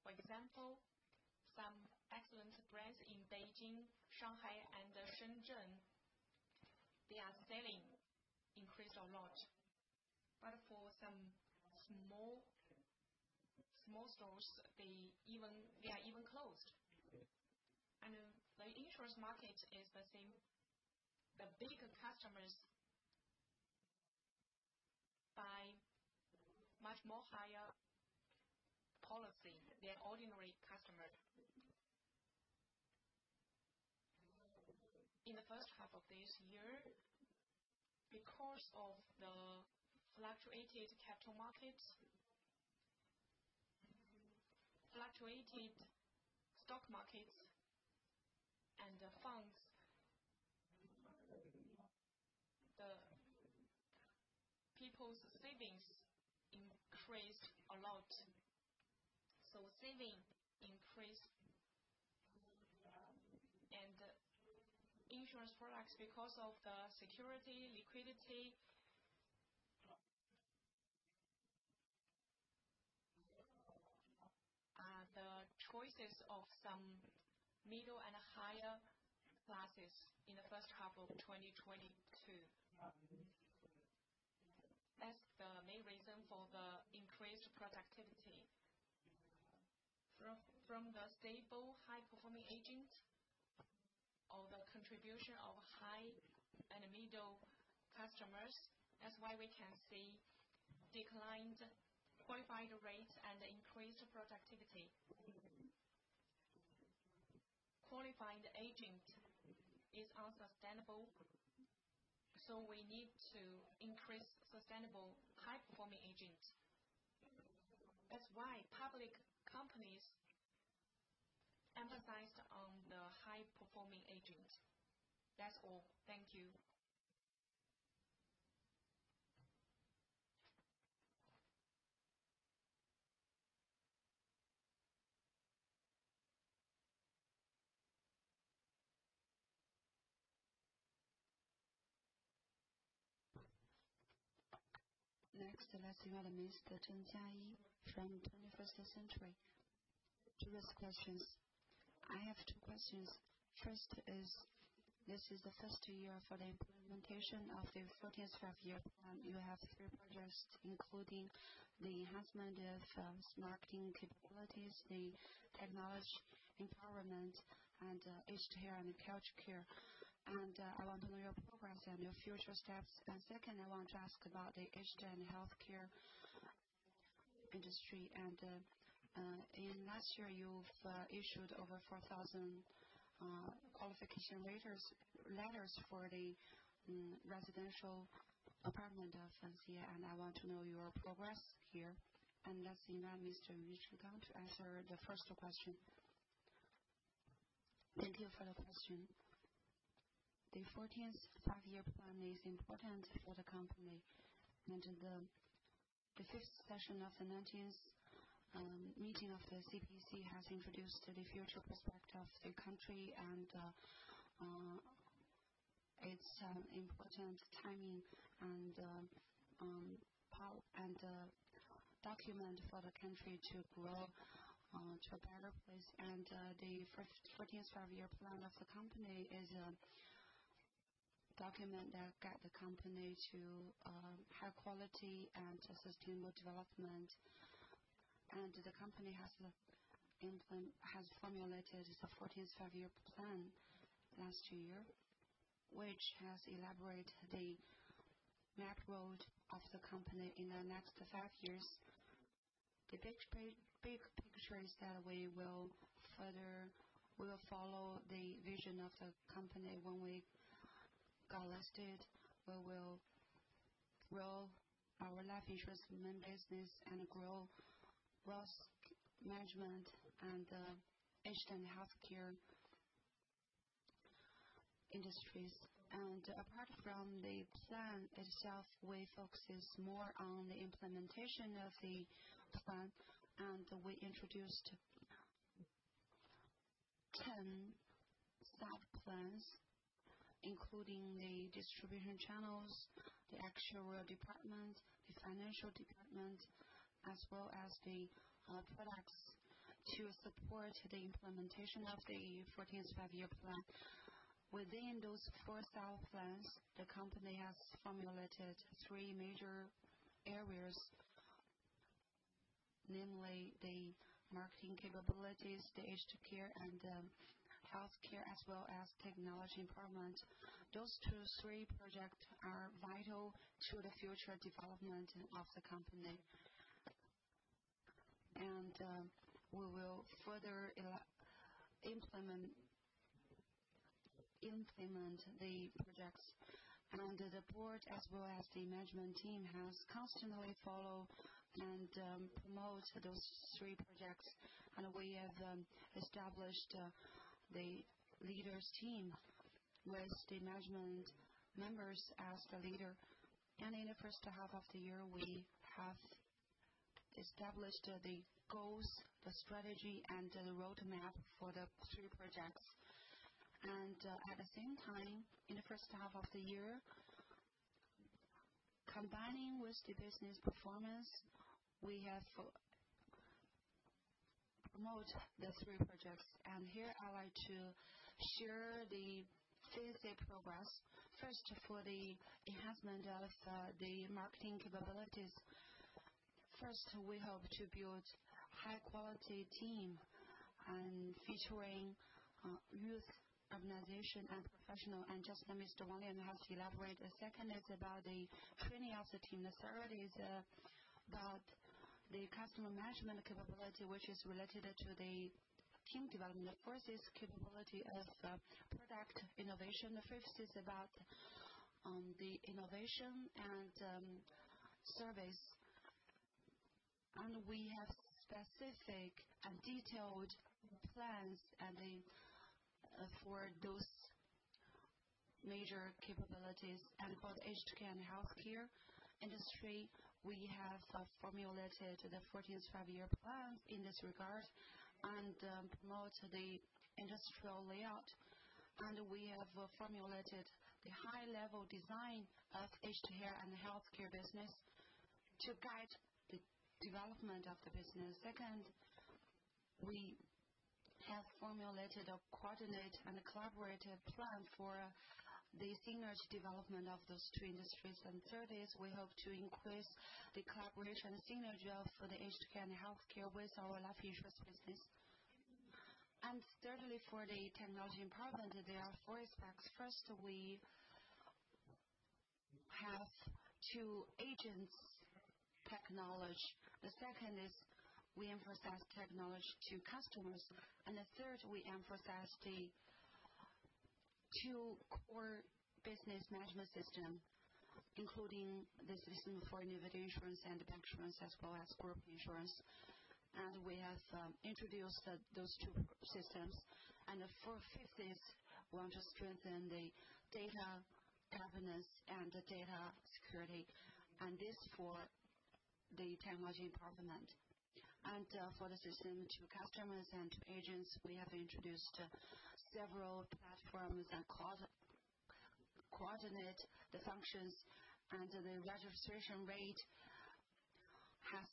For example, some excellent brands in Beijing, Shanghai, and Shenzhen, their selling increased a lot. For some small stores, they are even closed. The insurance market is the same. The bigger customers buy much more higher policy than ordinary customers. In the first half of this year, because of the fluctuated capital markets, fluctuated stock markets and the funds, the people's savings increased a lot. Savings increased and insurance products because of the security, liquidity. The choices of some middle and higher classes in the first half of 2022. That's the main reason for the increased productivity. From the stable, high-performing agent or the contribution of high and middle customers. That's why we can see declined qualified rates and increased productivity. Qualifying the agent is unsustainable, so we need to increase sustainable, high-performing agents. That's why public companies emphasize on the high-performing agents. That's all. Thank you. Next, let's invite Mr. Chen Jiayi from Twenty First Century to ask questions. I have two questions. First is, this is the first year for the implementation of the 14th Five-Year Plan. You have three projects including the enhancement of marketing capabilities, the technology empowerment, and aged care and health care. I want to know your progress and your future steps. Second, I want to ask about the aged care and health care industry. In last year, you've issued over 4,000 qualification letters for the residential apartment of senior. I want to know your progress here. Let's invite Mr. Mi Shengkang to answer the first question. Thank you for the question. The 14th Five-Year Plan is important for the company. The fifth session of the 19th meeting of the CPC has introduced the future perspective of the country and its important timing and document for the country to grow to a better place. The first 14th Five-Year Plan of the company is a document that guide the company to high quality and sustainable development. The company has formulated the 14th Five-Year Plan last year, which has elaborate the roadmap of the company in the next five years. The big picture is that we will follow the vision of the company when we got listed. We will grow our life insurance main business and grow risk management and age and health care industries. Apart from the plan itself, we focuses more on the implementation of the plan. We introduced 10 sub-plans, including the distribution channels, the actuarial department, the financial department as well as the products to support the implementation of the 14th Five-Year Plan. Within those four style plans, the company has formulated three major areas. Namely, the marketing capabilities, the aged care and healthcare, as well as technology department. Those two, three projects are vital to the future development of the company. We will further implement the projects. The board, as well as the management team, has constantly followed and promote those three projects. We have established the leadership team with the management members as the leader. In the first half of the year, we have established the goals, the strategy, and the roadmap for the three projects. At the same time, in the first half of the year, combining with the business performance, we have promoted the three projects. Here, I like to share the specific progress first for the enhancement of the marketing capabilities. First, we hope to build high-quality team featuring youth organization and professional, and then Mr. Wang will elaborate. The second is about the training of the team. The third is about the customer management capability, which is related to the team development. The fourth is capability of product innovation. The fifth is about the innovation and service. We have specific and detailed plans and then for those major capabilities. For the aged care and healthcare industry, we have formulated the 14th Five-Year Plan in this regard and promote the industrial layout. We have formulated the high-level design of aged care and healthcare business to guide the development of the business. Second, we have formulated a coordinated and a collaborative plan for the synergy development of those two industries. Third is we hope to increase the collaboration synergy of for the aged care and healthcare with our life insurance business. Thirdly, for the technology improvement, there are four aspects. First, we have to agents technology. The second is we emphasize technology to customers. The third, we emphasize the two core business management system, including the system for innovative insurance and the banks insurance as well as corporate insurance. We have introduced those two systems. The fourth is we want to strengthen the data governance and the data security, and this for the technology improvement. For the system to customers and to agents, we have introduced several platforms and coordinate the functions, and the registration rate has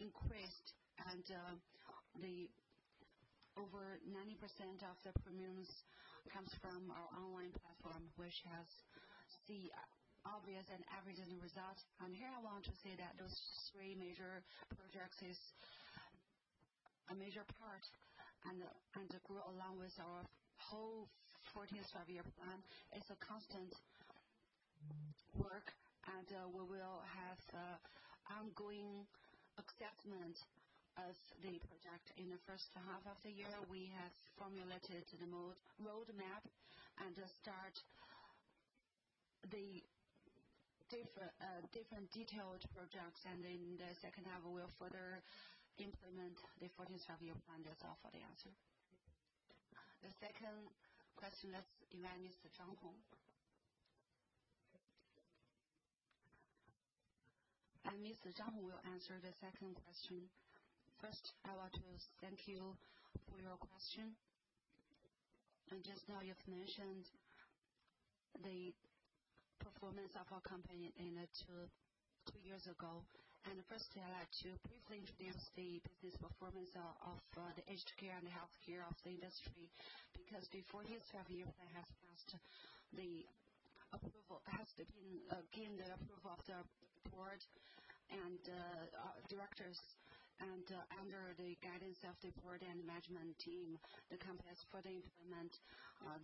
increased. Over 90% of the premiums comes from our online platform, which has the obvious and evident results. Here, I want to say that those three major projects is a major part and grew along with our whole 14th Five-Year Plan. It's a constant work, and we will have an ongoing assessment as the project. In the first half of the year, we have formulated the model roadmap and start the different detailed projects. In the second half, we will further implement the 14th Five-Year Plan. That's all for the answer. The second question, let's invite Mr. Zhang Hong. Mr. Zhang Hong will answer the second question. First, I want to thank you for your question. Just now you've mentioned the performance of our company in two years ago. First, I'd like to briefly introduce the business performance of the aged care and the healthcare of the industry, because the 14th Five-Year Plan has been gained the approval of the board and our directors. Under the guidance of the board and management team, the company has further implement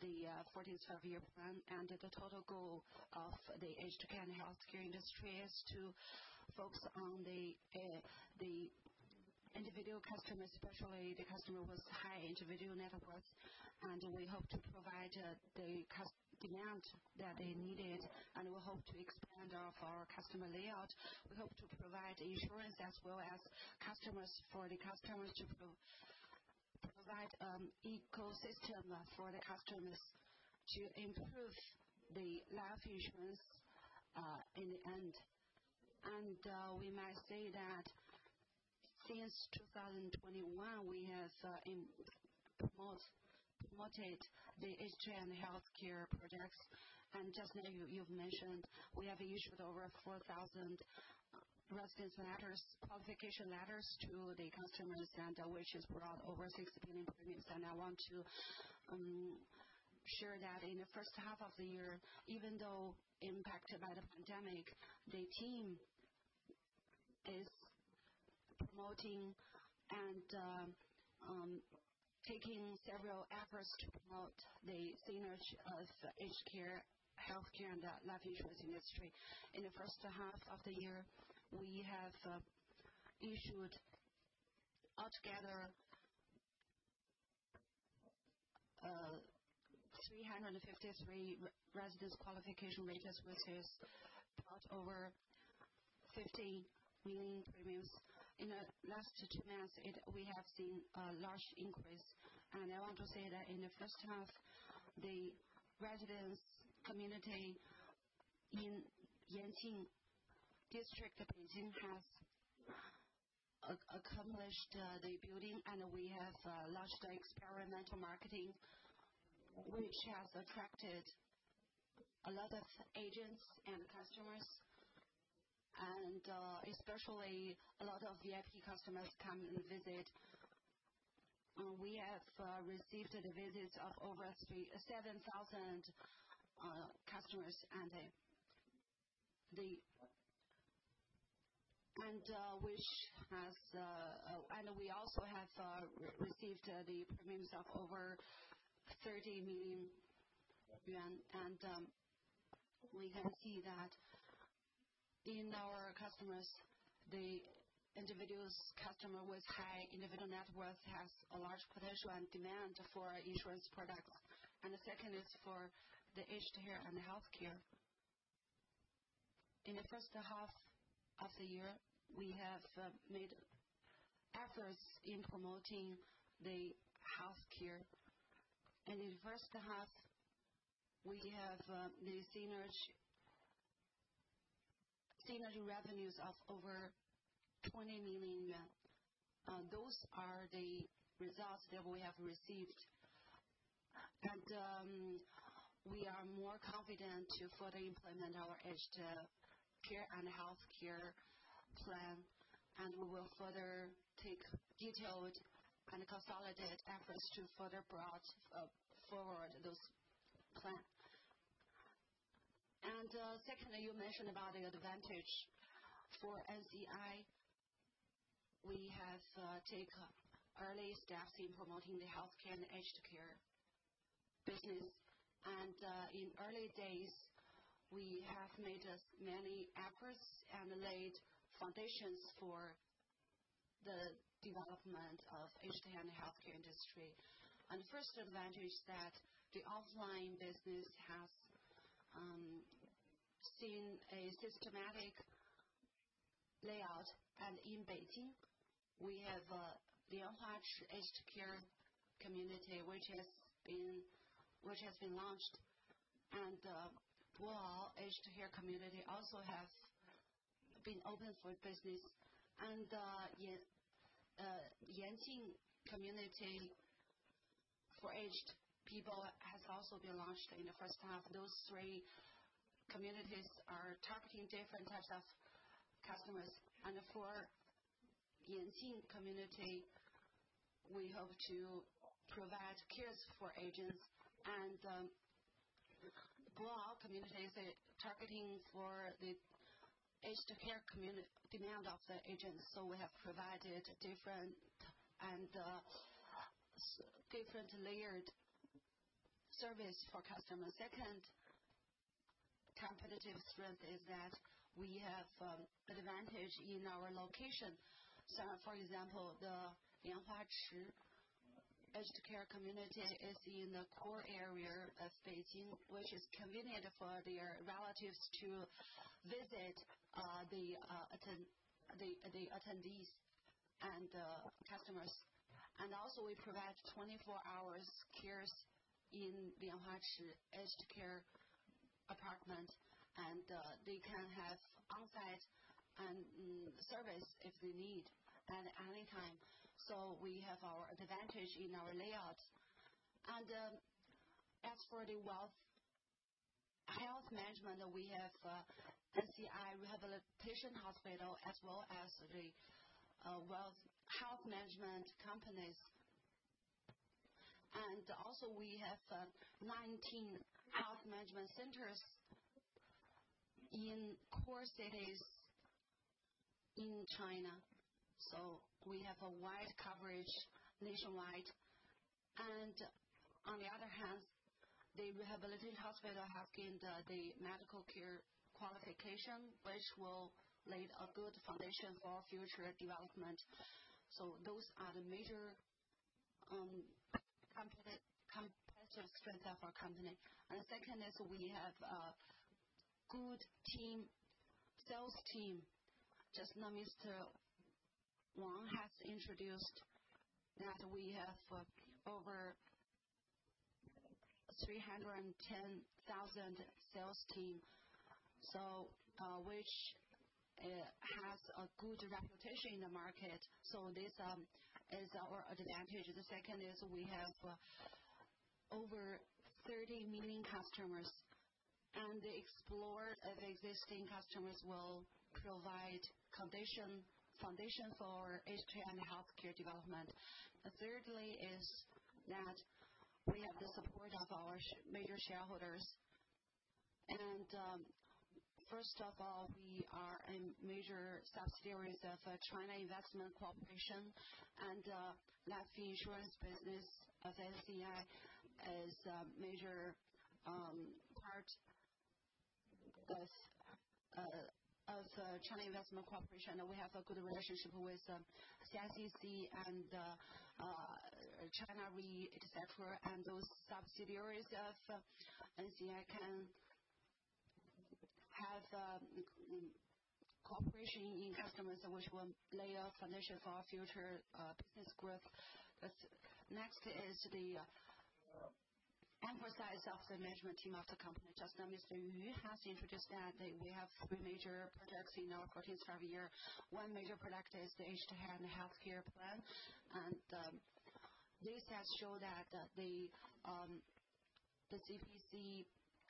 the 14th Five-Year Plan. The total goal of the aged care and healthcare industry is to focus on the individual customer, especially the customer with high individual net worth. We hope to provide the demand that they needed, and we hope to expand our customer layout. We hope to provide insurance as well as customers for the customers to provide ecosystem for the customers to improve the life insurance in the end. We might say that since 2021, we have promoted the aged and healthcare projects. Just now you've mentioned, we have issued over 4,000 residence qualification letters to the customer center, which has brought over 6 billion premiums. I want to share that in the first half of the year, even though impacted by the pandemic, the team is promoting and taking several efforts to promote the synergy of aged care, health care, and the life insurance industry. In the first half of the year, we have issued altogether 353 residence qualification letters, which has brought over 50 million premiums. In the last two months, we have seen a large increase. I want to say that in the first half, the residence community in Yanqing District of Beijing has accomplished the building, and we have launched the experimental marketing, which has attracted a lot of agents and customers, and especially a lot of VIP customers come and visit. We have received the visits of over 7,000 customers. We also have received the premiums of over 30 million yuan. We can see that in our customers, the individual customer with high individual net worth has a large potential and demand for insurance products. The second is for the aged care and the healthcare. In the first half of the year, we have made efforts in promoting the healthcare. In the first half, we have the synergy revenues of over 20 million. Those are the results that we have received. We are more confident to further implement our aged care and healthcare plan, and we will further take detailed and consolidated efforts to further bring forward those plan. Secondly, you mentioned about the advantage for NCI. We have take early steps in promoting the healthcare and aged care business. In early days, we have made many efforts and laid foundations for the development of aged care and healthcare industry. The first advantage that the offline business has seen a systematic layout. In Beijing, we have the Lianhuachi Aged Care Community, which has been launched. Puao Aged Care Community also has been opened for business. Yanqing Community for Aged People has also been launched in the first half. Those three communities are targeting different types of customers. For Yanqing Community, we hope to provide cares for agents. Puao Community is targeting for the aged care demand of the agents. We have provided different layered service for customers. Second competitive strength is that we have advantage in our location. For example, the Lianhuachi Aged Care Community is in the core area of Beijing, which is convenient for their relatives to visit the attendees and customers. We provide 24-hour cares in Lianhuachi Aged Care Apartment, and they can have on-site service if they need at any time. We have our advantage in our layouts. As for the wealth health management, we have NCI Rehabilitation Hospital, as well as the wealth health management companies. We have 19 health management centers in core cities in China, so we have a wide coverage nationwide. On the other hand, the rehabilitation hospital have gained the medical care qualification, which will lay a good foundation for future development. Those are the major competitive strength of our company. The second is we have a good team, sales team. Just now, Mr. Wang has introduced that we have over 310,000 sales team, so which has a good reputation in the market. This is our advantage. The second is we have over 30 million customers, and the exploitation of existing customers will provide foundation for aged care and healthcare development. Thirdly is that we have the support of our major shareholders. First of all, we are a major subsidiary of Central Huijin Investment, and life insurance business of NCI is a major part of Central Huijin Investment. We have a good relationship with CICC and China Re, et cetera. Those subsidiaries of NCI can have cooperation in customers, which will lay a foundation for our future business growth. Next is the emphasis of the management team of the company. Just now, Mr. Yu has introduced that we have three major products in our 14th Five-Year Plan. One major product is the aged care and healthcare plan. This has showed that the CPC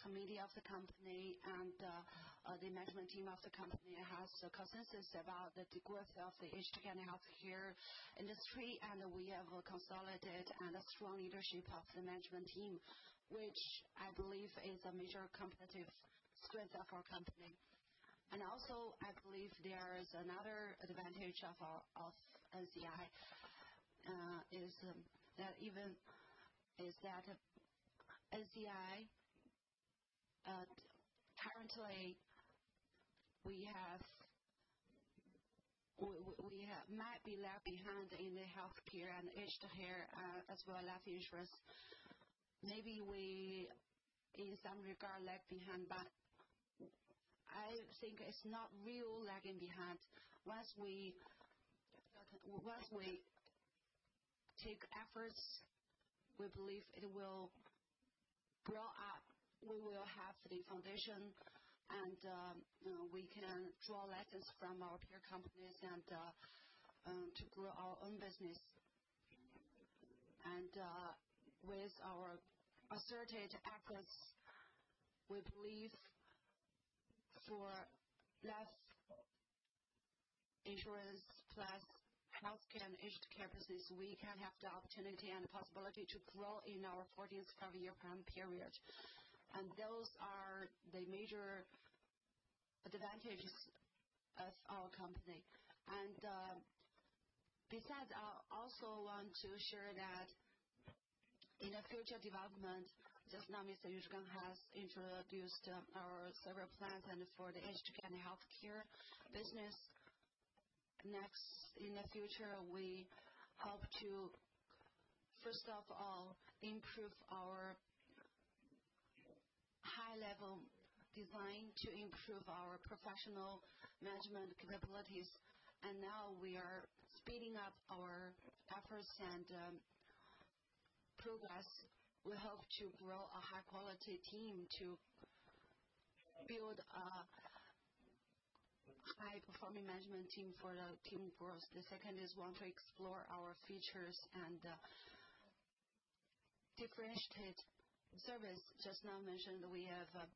committee of the company and the management team of the company has a consensus about the growth of the aged care and healthcare industry. We have a consolidated and a strong leadership of the management team, which I believe is a major competitive strength of our company. I believe there is another advantage of NCI is that NCI currently we have we might lag behind in the healthcare and aged care, as well as life insurance. Maybe we in some regard lag behind, but I think it's not real lagging behind. Once we take efforts, we believe it will grow up. We will have the foundation and we can draw lessons from our peer companies and to grow our own business. With our asset access, we believe for life insurance plus healthcare and aged care business, we can have the opportunity and possibility to grow in our 14th Five-Year Plan period. Those are the major advantages of our company. Besides, I also want to share that in the future development, just now Mr. Yu Zhigang has introduced our several plans and for the aged care healthcare business. Next, in the future, we hope to, first of all, improve our high-level design to improve our professional management capabilities. Now we are speeding up our efforts and progress. We hope to grow a high-quality team to build a high-performing management team for the team growth. The second is we want to explore our features and differentiate service. Just now mentioned, we have the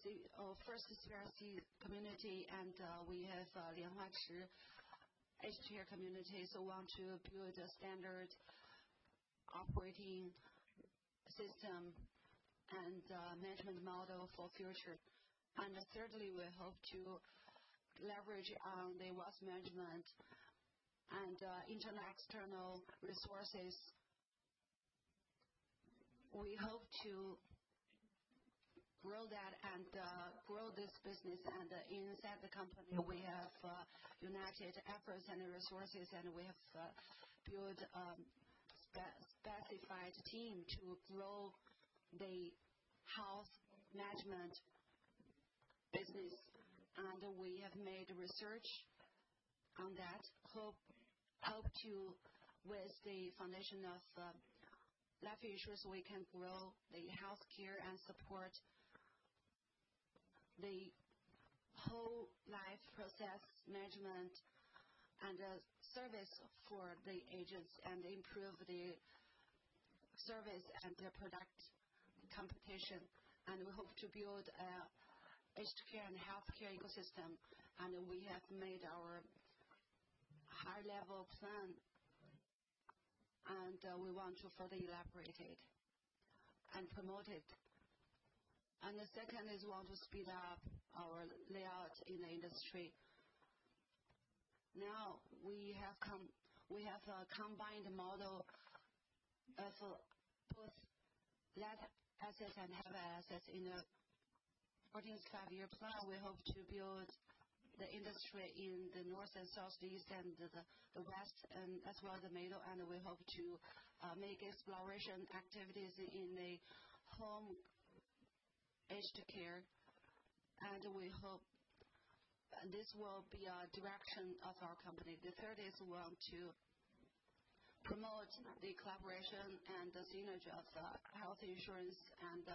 CCRC community, and we have the Lianhuachi Aged Care Community. We want to build a standard operating system and management model for future. Thirdly, we hope to leverage the risk management and internal-external resources. We hope to grow that and grow this business. Inside the company, we have united efforts and resources, and we have built a specified team to grow the health management business. We have made research on that. With the foundation of life insurance, we can grow the healthcare and support the whole life process management and service for the agents and improve the service and their product competitiveness. We hope to build an aged care and healthcare ecosystem. We have made our high-level plan, and we want to further elaborate it and promote it. The second is we want to speed up our layout in the industry. Now, we have a combined model of both light-assets and heavy-assets. In the 14th Five-Year Plan, we hope to build the industry in the north and southeast and the west and as well the middle. We hope to make exploration activities in the home aged care, and we hope this will be a direction of our company. The third is we want to promote the collaboration and the synergy of health insurance and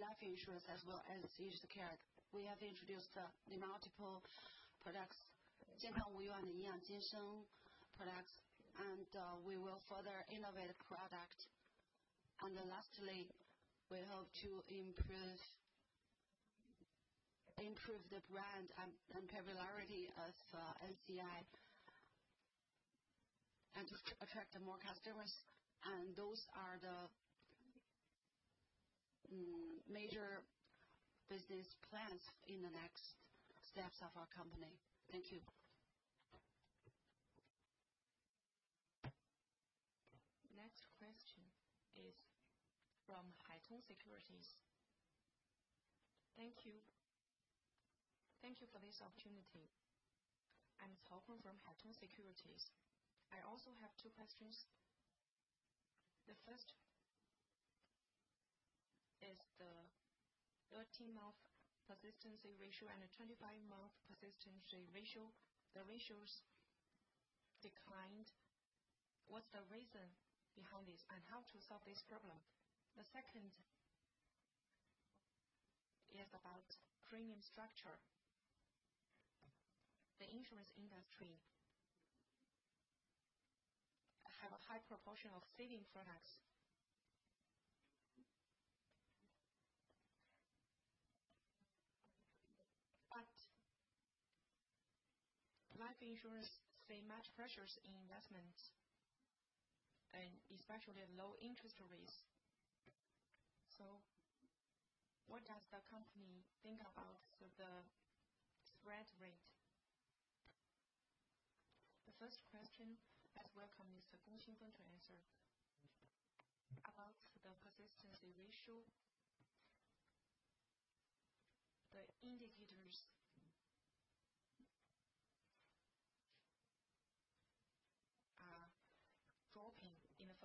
life insurance as well as aged care. We have introduced the multiple products, and we will further innovate product. Lastly, we hope to improve the brand and popularity as NCI and attract more customers. Those are the major business plans in the next steps of our company. Thank you. Next question is from Haitong Securities. Thank you. Thank you for this opportunity. I'm Sun Ting from Haitong Securities. I also have two questions. The first is the 13-month persistency ratio and a 25-month persistency ratio. The ratios declined. What's the reason behind this and how to solve this problem? The second is about premium structure. The insurance industry have a high proportion of savings products. But life insurance face much pressures in investments, and especially at low-interest rates. So what does the company think about the spread rate? The first question. We welcome Mr. Gong Xingfeng to answer. About the persistency ratio, the indicators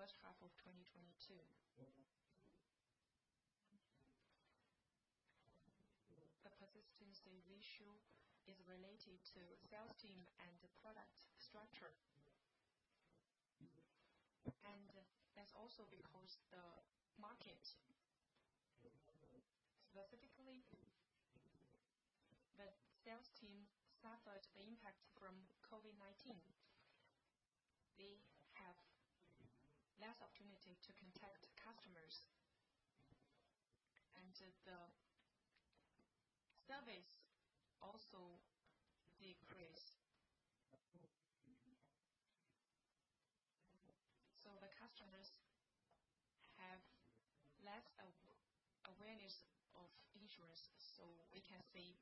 are dropping in the first half of 2022. The persistency ratio is related to sales team and the product structure. That's also because the market, specifically the sales team, suffered the impact from COVID-19. They have less opportunity to contact customers. The service also decrease. The customers have less awareness of insurance, so we can see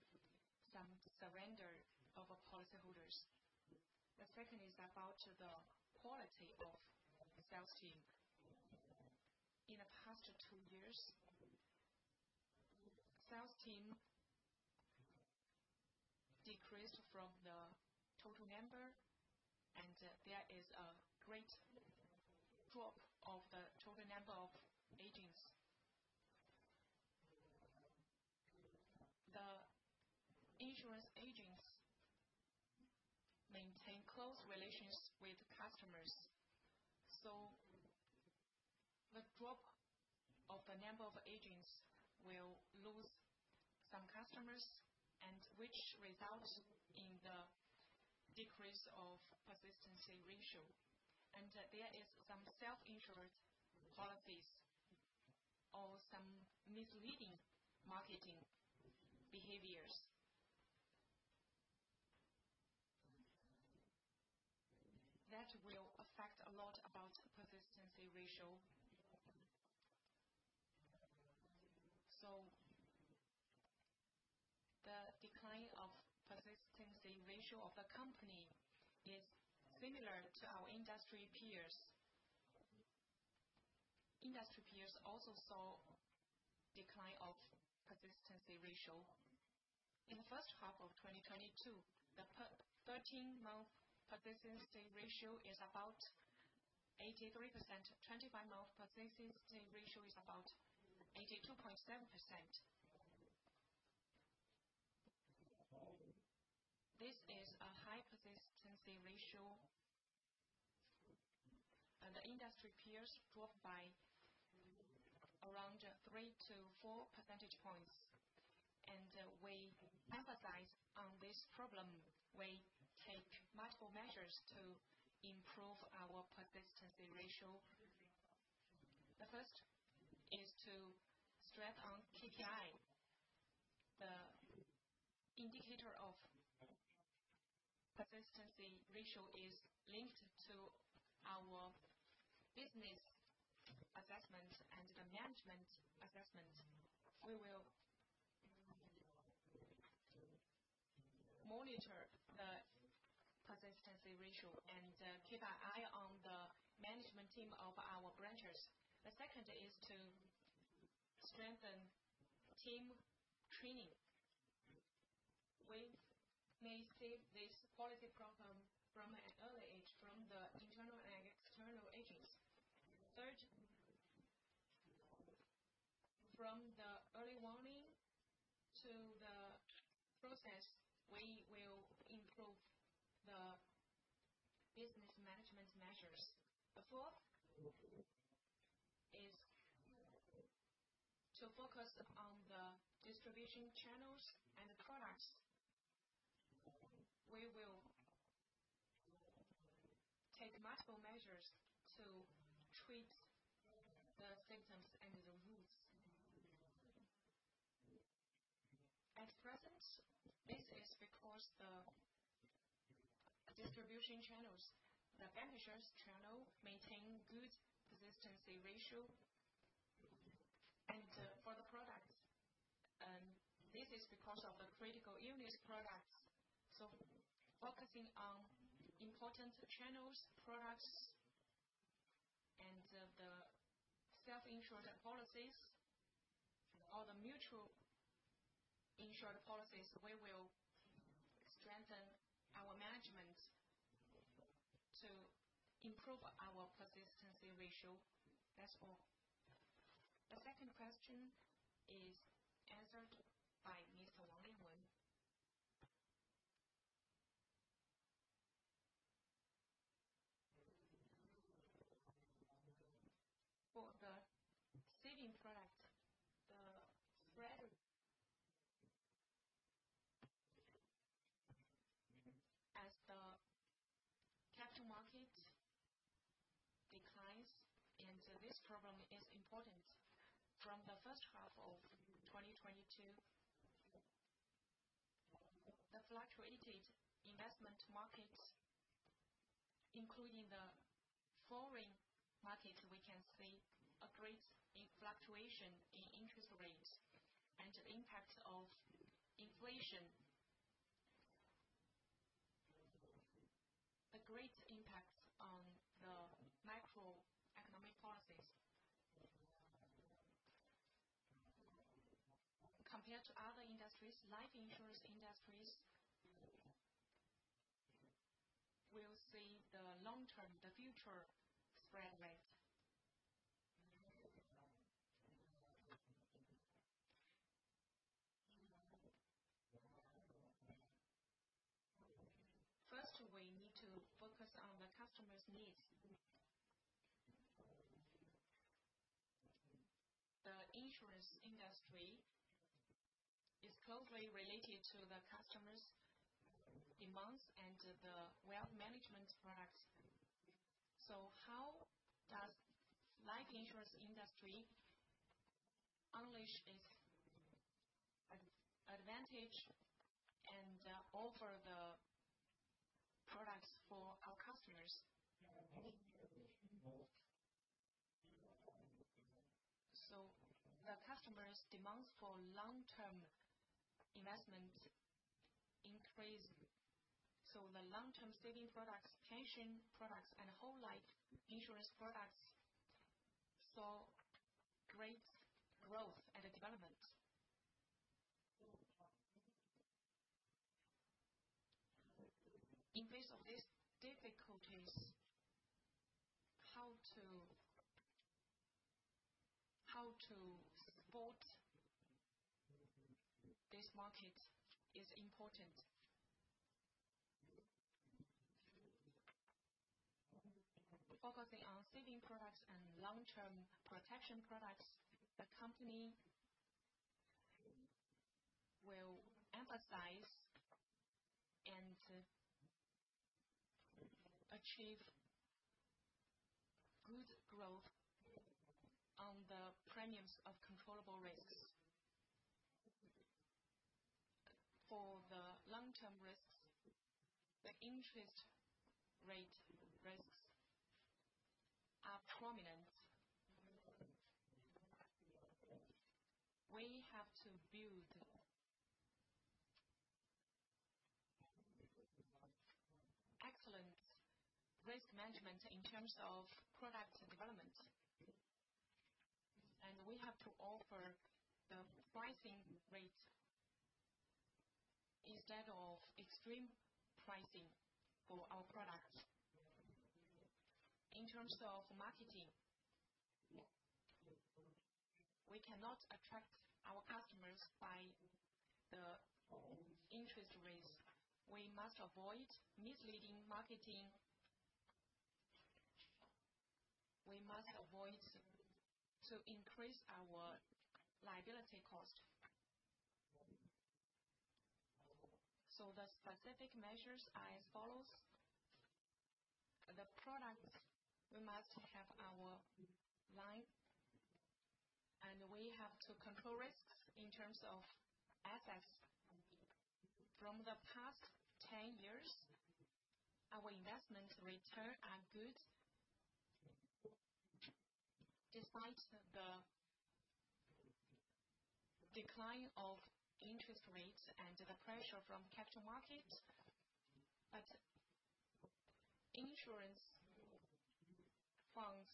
some surrender of policyholders. The second is about the quality of sales team. In the past two years, sales team decreased from the total number, and there is a great drop of the total number of agents. The insurance agents maintain close relations with customers, so the drop of the number of agents will lose some customers and which results in the decrease of persistency ratio. There is some self-insured policies or some misleading marketing behaviors. That will affect a lot about persistency ratio. The decline of persistency ratio of the company is similar to our industry peers. Industry peers also saw decline of persistency ratio. In the first half of 2022, the 13-month persistency ratio is about 83%. 25-month persistency ratio is about 82.7%. This is a high persistency ratio, and the industry peers dropped by around 3-4 percentage points. We emphasize on this problem. We take multiple measures to improve our persistency ratio. The first is to strike on key guy. The indicator of persistency ratio is linked to our business assessment and the management assessment. We will monitor the persistency ratio and keep our eyes on the management team of our branches. The second is to strengthen team training. We may see the third, from the early warning to the process, we will improve the business management measures. The fourth is to focus on the distribution channels and the products. We will take multiple measures to treat the symptoms and the roots. At present, this is because the distribution channels, the bank insurance channel maintain good persistency ratio. For the products, this is because of the critical illness products. Focusing on important channels, products, and the self-insured policies or the mutual insured policies, we will strengthen our management to improve our persistency ratio. That's all. The second question is answered by Mr. Wang Zhongzhu. For the saving products, the spread. As the capital market declines and this problem is important. From the first half of 2022, the fluctuating investment markets, including the foreign markets, we can see a great fluctuation in interest rates and the impact of inflation. A great impact on the macroeconomic policies. Compared to other industries, life insurance industries will see the long-term, the future spread rate. First, we need to focus on the customer's needs. The insurance industry is closely related to the customer's demands and the wealth management products. How does life insurance industry unleash its advantage and offer the products for our customers? The customers' demands for long-term investment increase. The long-term savings products, pension products, and whole life insurance products saw great growth and development. In the face of these difficulties, how to support this market is important. Focusing on savings products and long-term protection products, the company will emphasize and achieve good growth on the premiums of controllable risks. For the long-term risks, the interest rate risks are prominent. We have to build excellent risk management in terms of product development. We have to offer the pricing rates instead of extreme pricing for our products. In terms of marketing, we cannot attract our customers by the interest rates. We must avoid misleading marketing. We must avoid to increase our liability cost. The specific measures are as follows: the products we must have our line, and we have to control risks in terms of assets. From the past ten years, our investment return are good despite the decline of interest rates and the pressure from capital markets. Insurance fund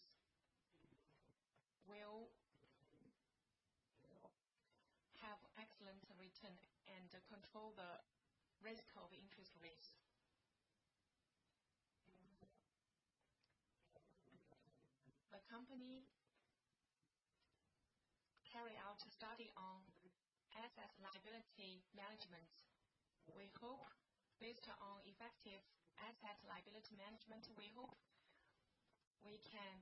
risk of interest rates. The company carry out a study on asset-liability management. We hope based on effective asset-liability management, we hope we can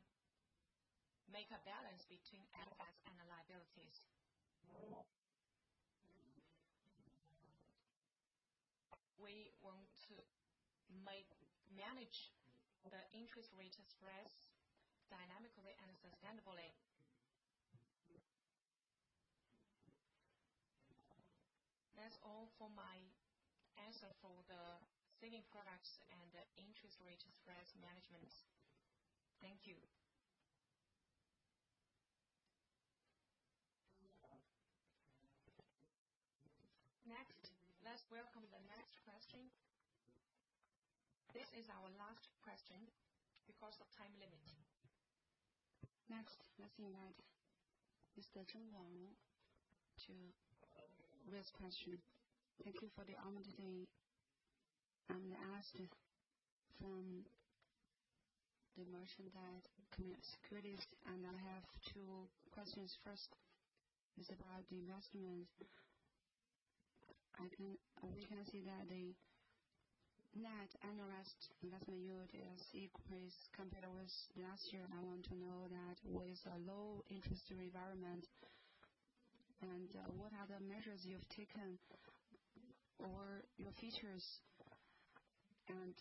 make a balance between assets and liabilities. We want to manage the interest-rate stress dynamically and sustainably. That's all for my answer for the saving products and interest-rate stress management. Thank you. Next, let's welcome the next question. This is our last question because of time limit. Next, let's invite Mr. Chung Wong to raise question. Thank you for the opportunity. I'm asking from the Mercantile Securities, and I have two questions. First is about the investments. We can see that the net annual investment yield is increased compared with last year. I want to know that with a low-interest environment, and what are the measures you've taken or your features, and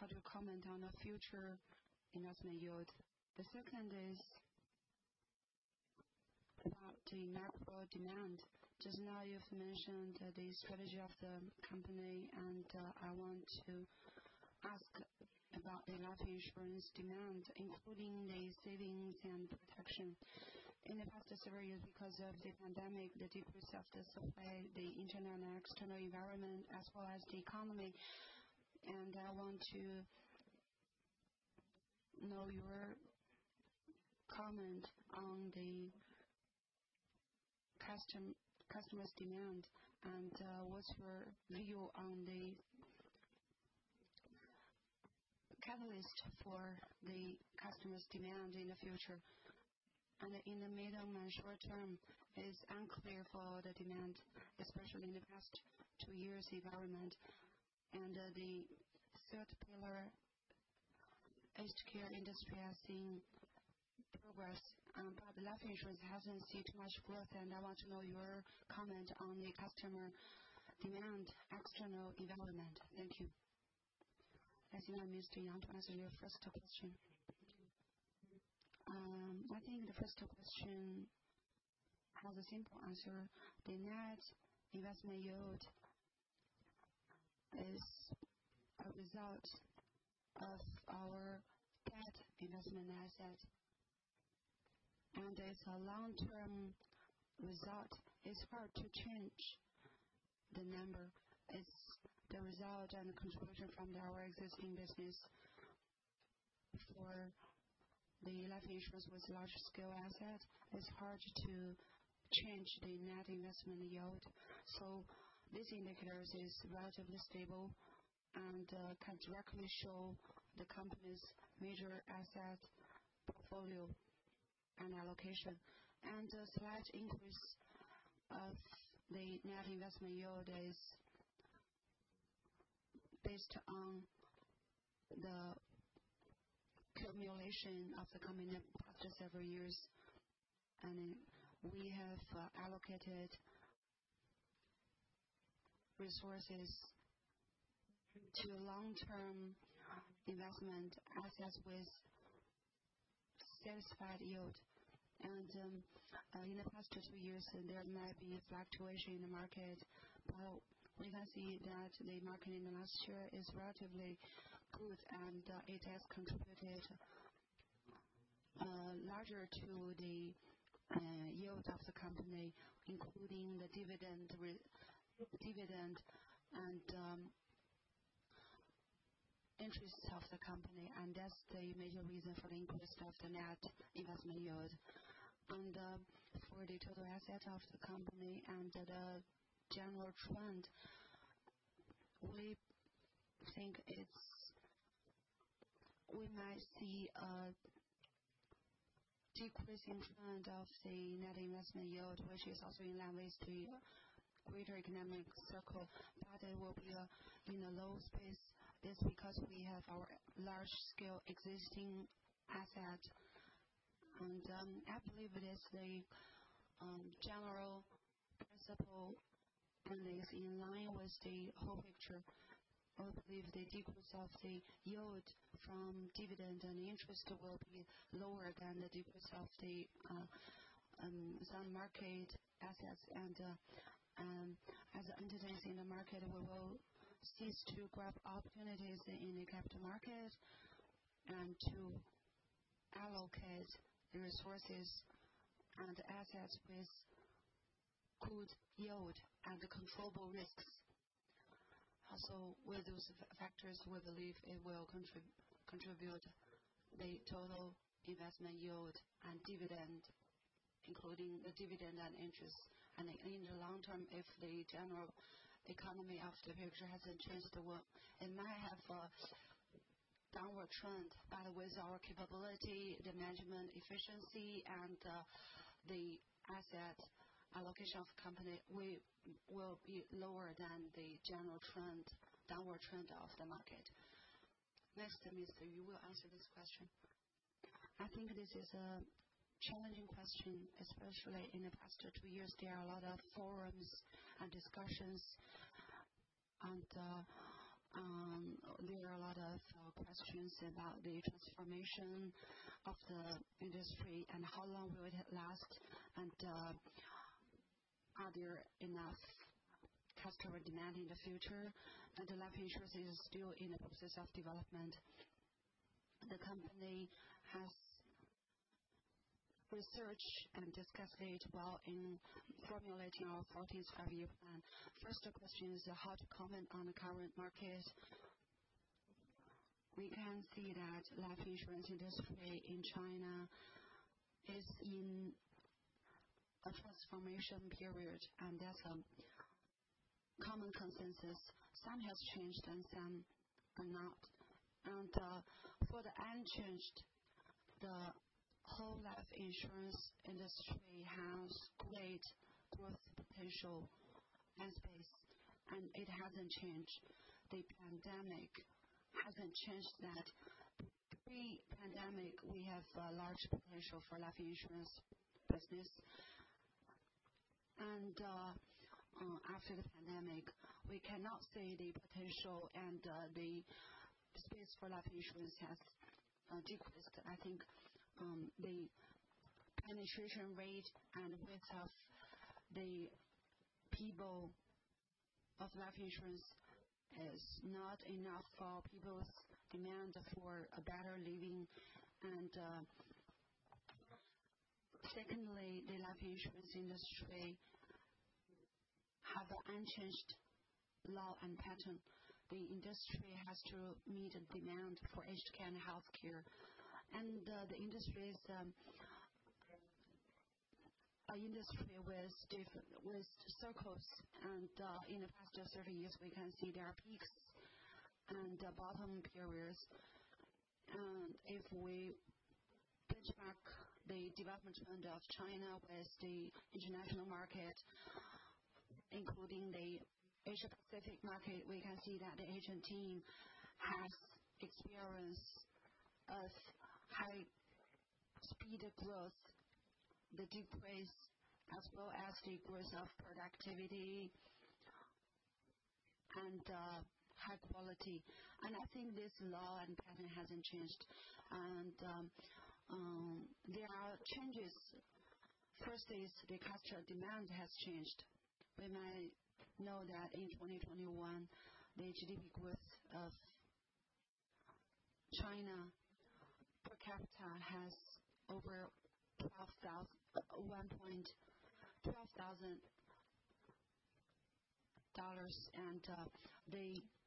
how to comment on the future investment yield? The second is about the broad life demand. Just now you've mentioned the strategy of the company, and I want to ask about the life insurance demand, including the savings and protection. In the past three years, because of the pandemic, the decrease of the supply, the internal and external environment, as well as the economy. I want to know your comment on the customer's demand and, what's your view on the catalyst for the customer's demand in the future? In the medium and short-term, it is unclear for the demand, especially in the past two years' environment. The third pillar, healthcare industry, has seen progress. Life insurance hasn't seen too much growth, and I want to know your comment on the customer demand, external development. Thank you. I think I'll ask Mr. Yang to answer your first question. I think the first question has a simple answer. The net investment yield is a result of our debt investment asset, and it's a long-term result. It's hard to change the number. It's the result and contribution from our existing business. For the life insurance with large-scale asset, it's hard to change the net investment yield. These indicators is relatively stable and can directly show the company's major asset portfolio and allocation. A slight increase of the net investment yield is based on the accumulation of the coming up after several years. Then we have allocated resources to long-term investment assets with satisfied yield. In the past two years, there might be fluctuation in the market. We can see that the market in the last year is relatively good, and it has contributed larger to the yield of the company, including the dividend re-dividend and interest of the company. That's the major reason for the increase of the net investment yield. For the total asset of the company and the general trend, we think we might see a decreasing trend of the net investment yield, which is also in line with the greater economic cycle. That it will be in a low phase is because we have our large scale existing asset. I believe it is the general principle, and it's in line with the whole picture. I believe the decrease of the yield from dividend and interest will be lower than the decrease of some market assets. As entities in the market, we will seize to grab opportunities in the capital market and to allocate the resources and assets with good yield and controllable risks. With those factors, we believe it will contribute the total investment yield and dividend. Including the dividend and interest. In the long-term, if the general economy of the future hasn't changed the world, it might have a downward trend. With our capability, the management efficiency, and the asset allocation of company, we will be lower than the general trend, downward trend of the market. Next time, you will answer this question. I think this is a challenging question, especially in the past two years. There are a lot of forums and discussions and there are a lot of questions about the transformation of the industry and how long will it last, and are there enough customer demand in the future? The life insurance is still in the process of development. The company has research and discuss it well in formulating our 14th Five-Year Plan. First question is how to comment on the current market. We can see that life insurance industry in China is in a transformation period, and that's a common consensus. Some has changed and some are not. For the unchanged, the whole life insurance industry has great growth potential and space, and it hasn't changed. The pandemic hasn't changed that. Pre-pandemic, we have a large potential for life insurance business. After the pandemic, we cannot say the potential and the space for life insurance has decreased. I think the penetration rate and width of the people of life insurance is not enough for people's demand for a better living. Secondly, the life insurance industry have an unchanged law and pattern. The industry has to meet a demand for aged care and healthcare. The industry is a industry with cycles. In the past 30 years, we can see there are peaks and bottom periods. If we benchmark the development trend of China with the international market, including the Asia-Pacific market, we can see that the agent team has experience of high-speed growth, the decrease, as well as the growth of productivity and high quality. I think this law and pattern hasn't changed. There are changes. First is the cultural demand has changed. We might know that in 2021, the GDP growth of China per capita has over $12,000. The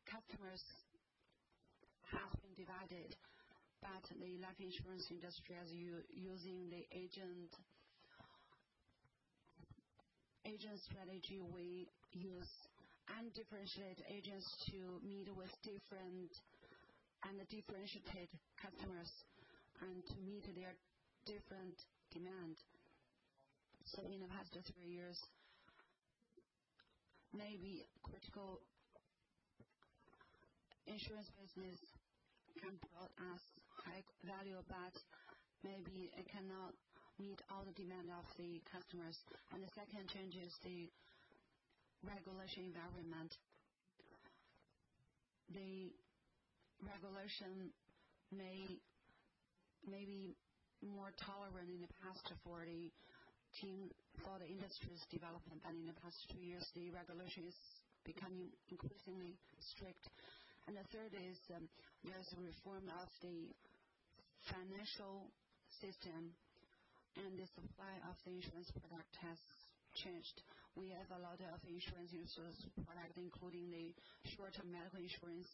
customers has been divided. The life insurance industry is using the agent strategy we use, undifferentiated agents to meet undifferentiated customers and to meet their different demand. In the past three years, maybe critical insurance business can build as high value, but maybe it cannot meet all the demand of the customers. The second change is the regulation environment. The regulation may maybe more tolerant in the past for the industry's development, but in the past two years, the regulation is becoming increasingly strict. The third is, there's a reform of the financial system, and the supply of the insurance product has changed. We have a lot of insurance users product, including the short-term medical insurance.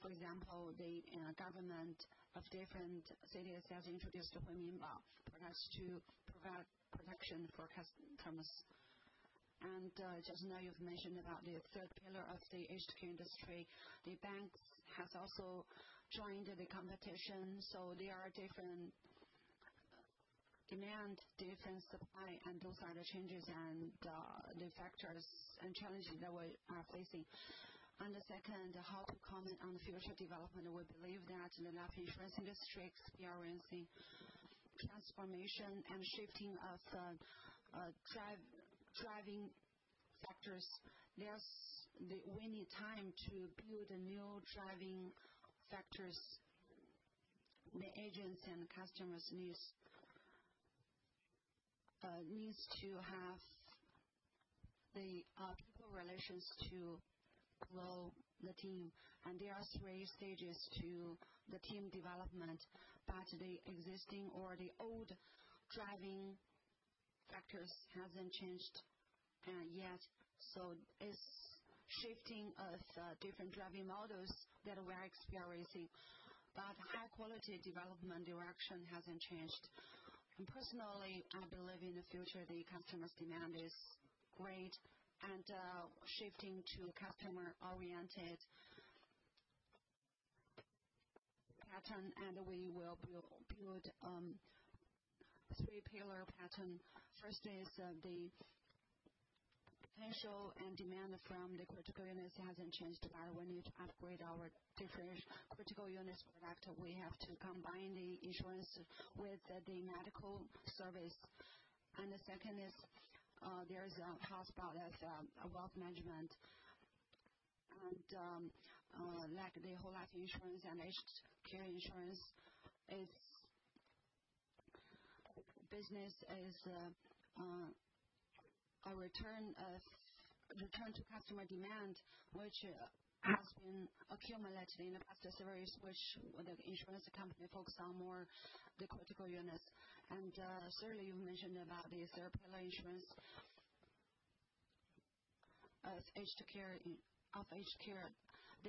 For example, the government of different cities has introduced minimum products to provide protection for customers. Just now you've mentioned about the third pillar of the aged care industry. The banks has also joined the competition. There are different demand, different supply, and those are the changes and the factors and challenges that we are facing. The second, how to comment on the future development. We believe that in the life insurance industry experiencing transformation and shifting of driving factors. We need time to build new driving factors. The agents and customers needs to have the people relations to grow the team. There are three stages to the team development. The existing or the old driving factors hasn't changed, yet, so it's shifting of, different driving models that we're experiencing. High-quality development direction hasn't changed. Personally, I believe in the future, the customer's demand is great and, shifting to customer-oriented pattern and we will build three pillar pattern. First is, the potential and demand from the critical illness hasn't changed. When you upgrade our different critical illness product, we have to combine the insurance with the medical service. The second is, there is a hotspot as, a wealth management. Like the whole life insurance and aged care insurance is. Business is a return to customer demand which has been accumulated in the past series, which the insurance company focus on more the critical illness. Certainly you mentioned about this pillar insurance of aged care. The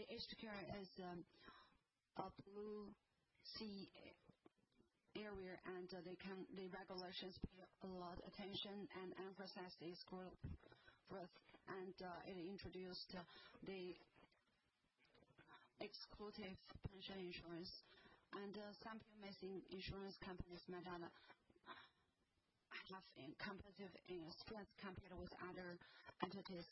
aged care is a blue sea area and the regulations pay a lot attention and emphasize this group growth. It introduced the exclusive pension insurance. Some people may think insurance companies may have competitive edge compared with other entities.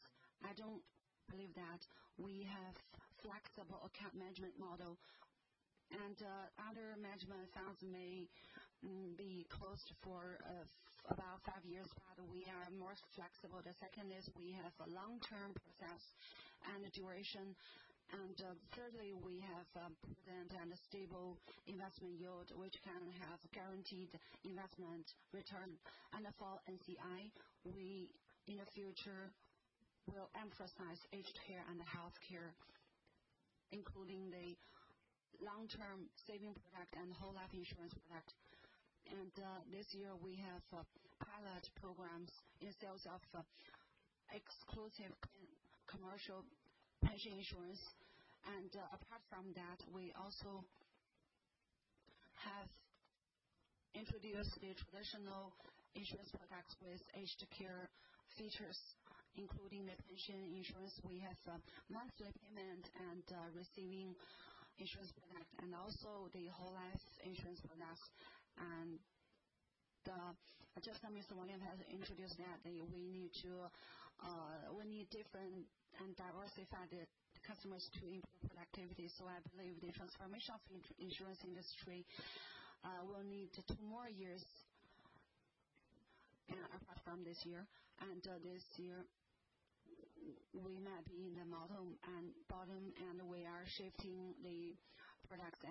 I don't believe that. We have flexible account management model. Other management styles may be closed for about five years, but we are more flexible. The second is we have a long-term process and duration. Thirdly, we have prudent and a stable investment yield, which can have guaranteed investment return. For NCI, we in the future will emphasize aged care and health care, including the long-term savings product and whole life insurance product. This year, we have pilot programs in sales of exclusive and commercial pension insurance. Apart from that, we also have introduced the traditional insurance products with aged care features, including the pension insurance. We have monthly payment and receiving insurance product and also the whole life insurance products. Just as Mr. Wang has introduced, we need different and diversified customers to improve productivity. I believe the transformation of the insurance industry will need two more years apart from this year. This year, we might be at the bottom, and we are shifting the products.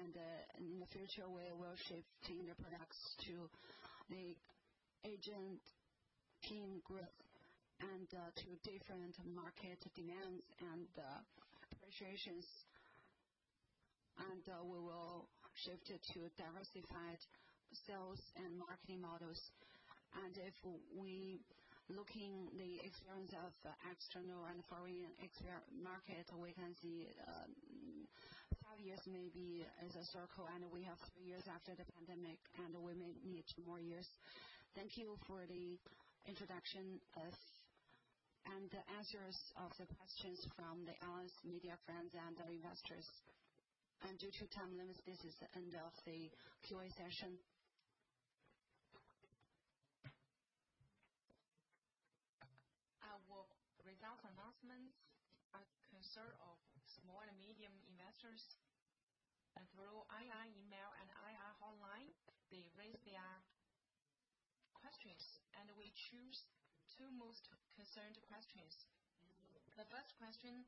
In the future, we will shift senior products to the agent team growth and to different market demands and appreciations. We will shift it to diversified sales and marketing models. If we look at the experience of external and foreign market, we can see five years maybe as a cycle, and we have three years after the pandemic, and we may need two more years. Thank you for the introduction of and the answers of the questions from the analyst, media friends and the investors. Due to time limits, this is the end of the Q&A session. Results announcements are concern of small and medium investors. Through IR email and IR hotline, they raise their questions, and we choose two most concerned questions. The first question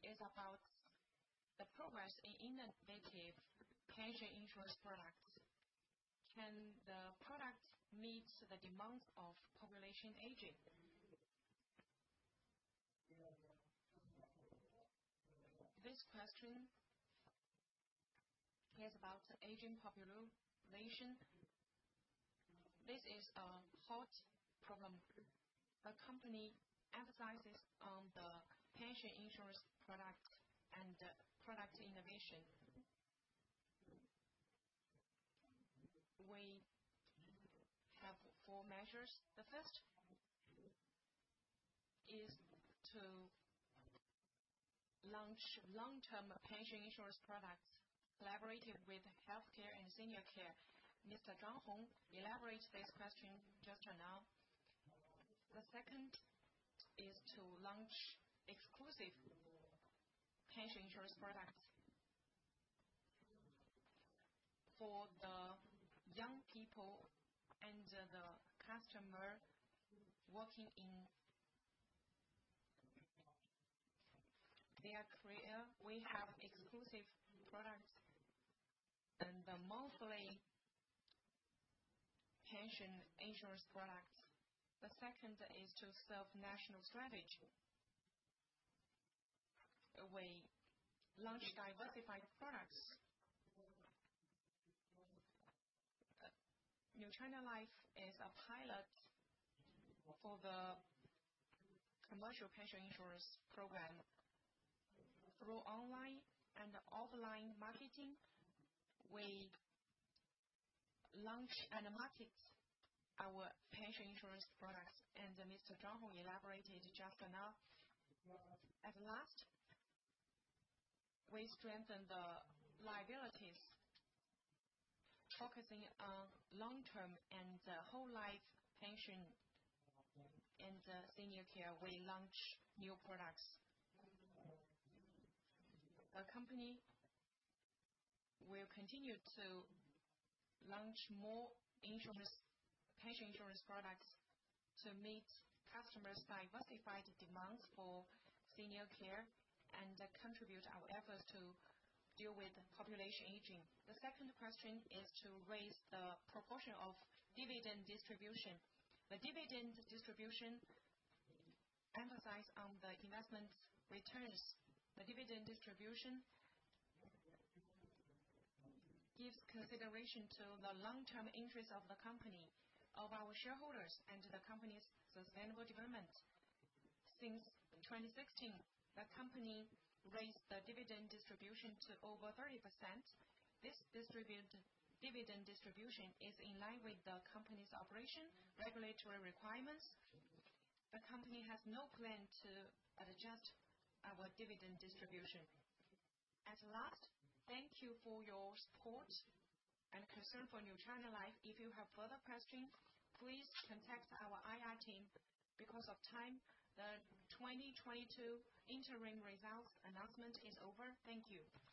is about the progress in innovative pension insurance products. Can the product meet the demands of population aging? This question is about aging population. This is a hot problem. The company emphasizes on the pension insurance product and product innovation. We have four measures. The first is to launch long-term pension insurance products collaborated with healthcare and senior care. Mr. Zhang Hong elaborated this question just now. The second is to launch exclusive pension insurance products for the young people and the customer working in their career. We have exclusive products and the monthly pension insurance products. The second is to serve national strategy. We launch diversified products. New China Life is a pilot for the commercial pension insurance program. Through online and offline marketing, we launch and market our pension insurance products. Mr. Zhang Hong who elaborated just now. At last, we strengthen the liabilities, focusing on long-term and whole life pension in the senior care. We launch new products. The company will continue to launch more insurance, pension insurance products to meet customers' diversified demands for senior care and contribute our efforts to deal with population aging. The second question is to raise the proportion of dividend distribution. The dividend distribution emphasize on the investment returns. The dividend distribution gives consideration to the long-term interest of the company, of our shareholders, and the company's sustainable development. Since 2016, the company raised the dividend distribution to over 30%. This dividend distribution is in line with the company's operation, regulatory requirements. The company has no plan to adjust our dividend distribution. At last, thank you for your support and concern for New China Life. If you have further questions, please contact our IR team. Because of time, the 2022 interim results announcement is over. Thank you.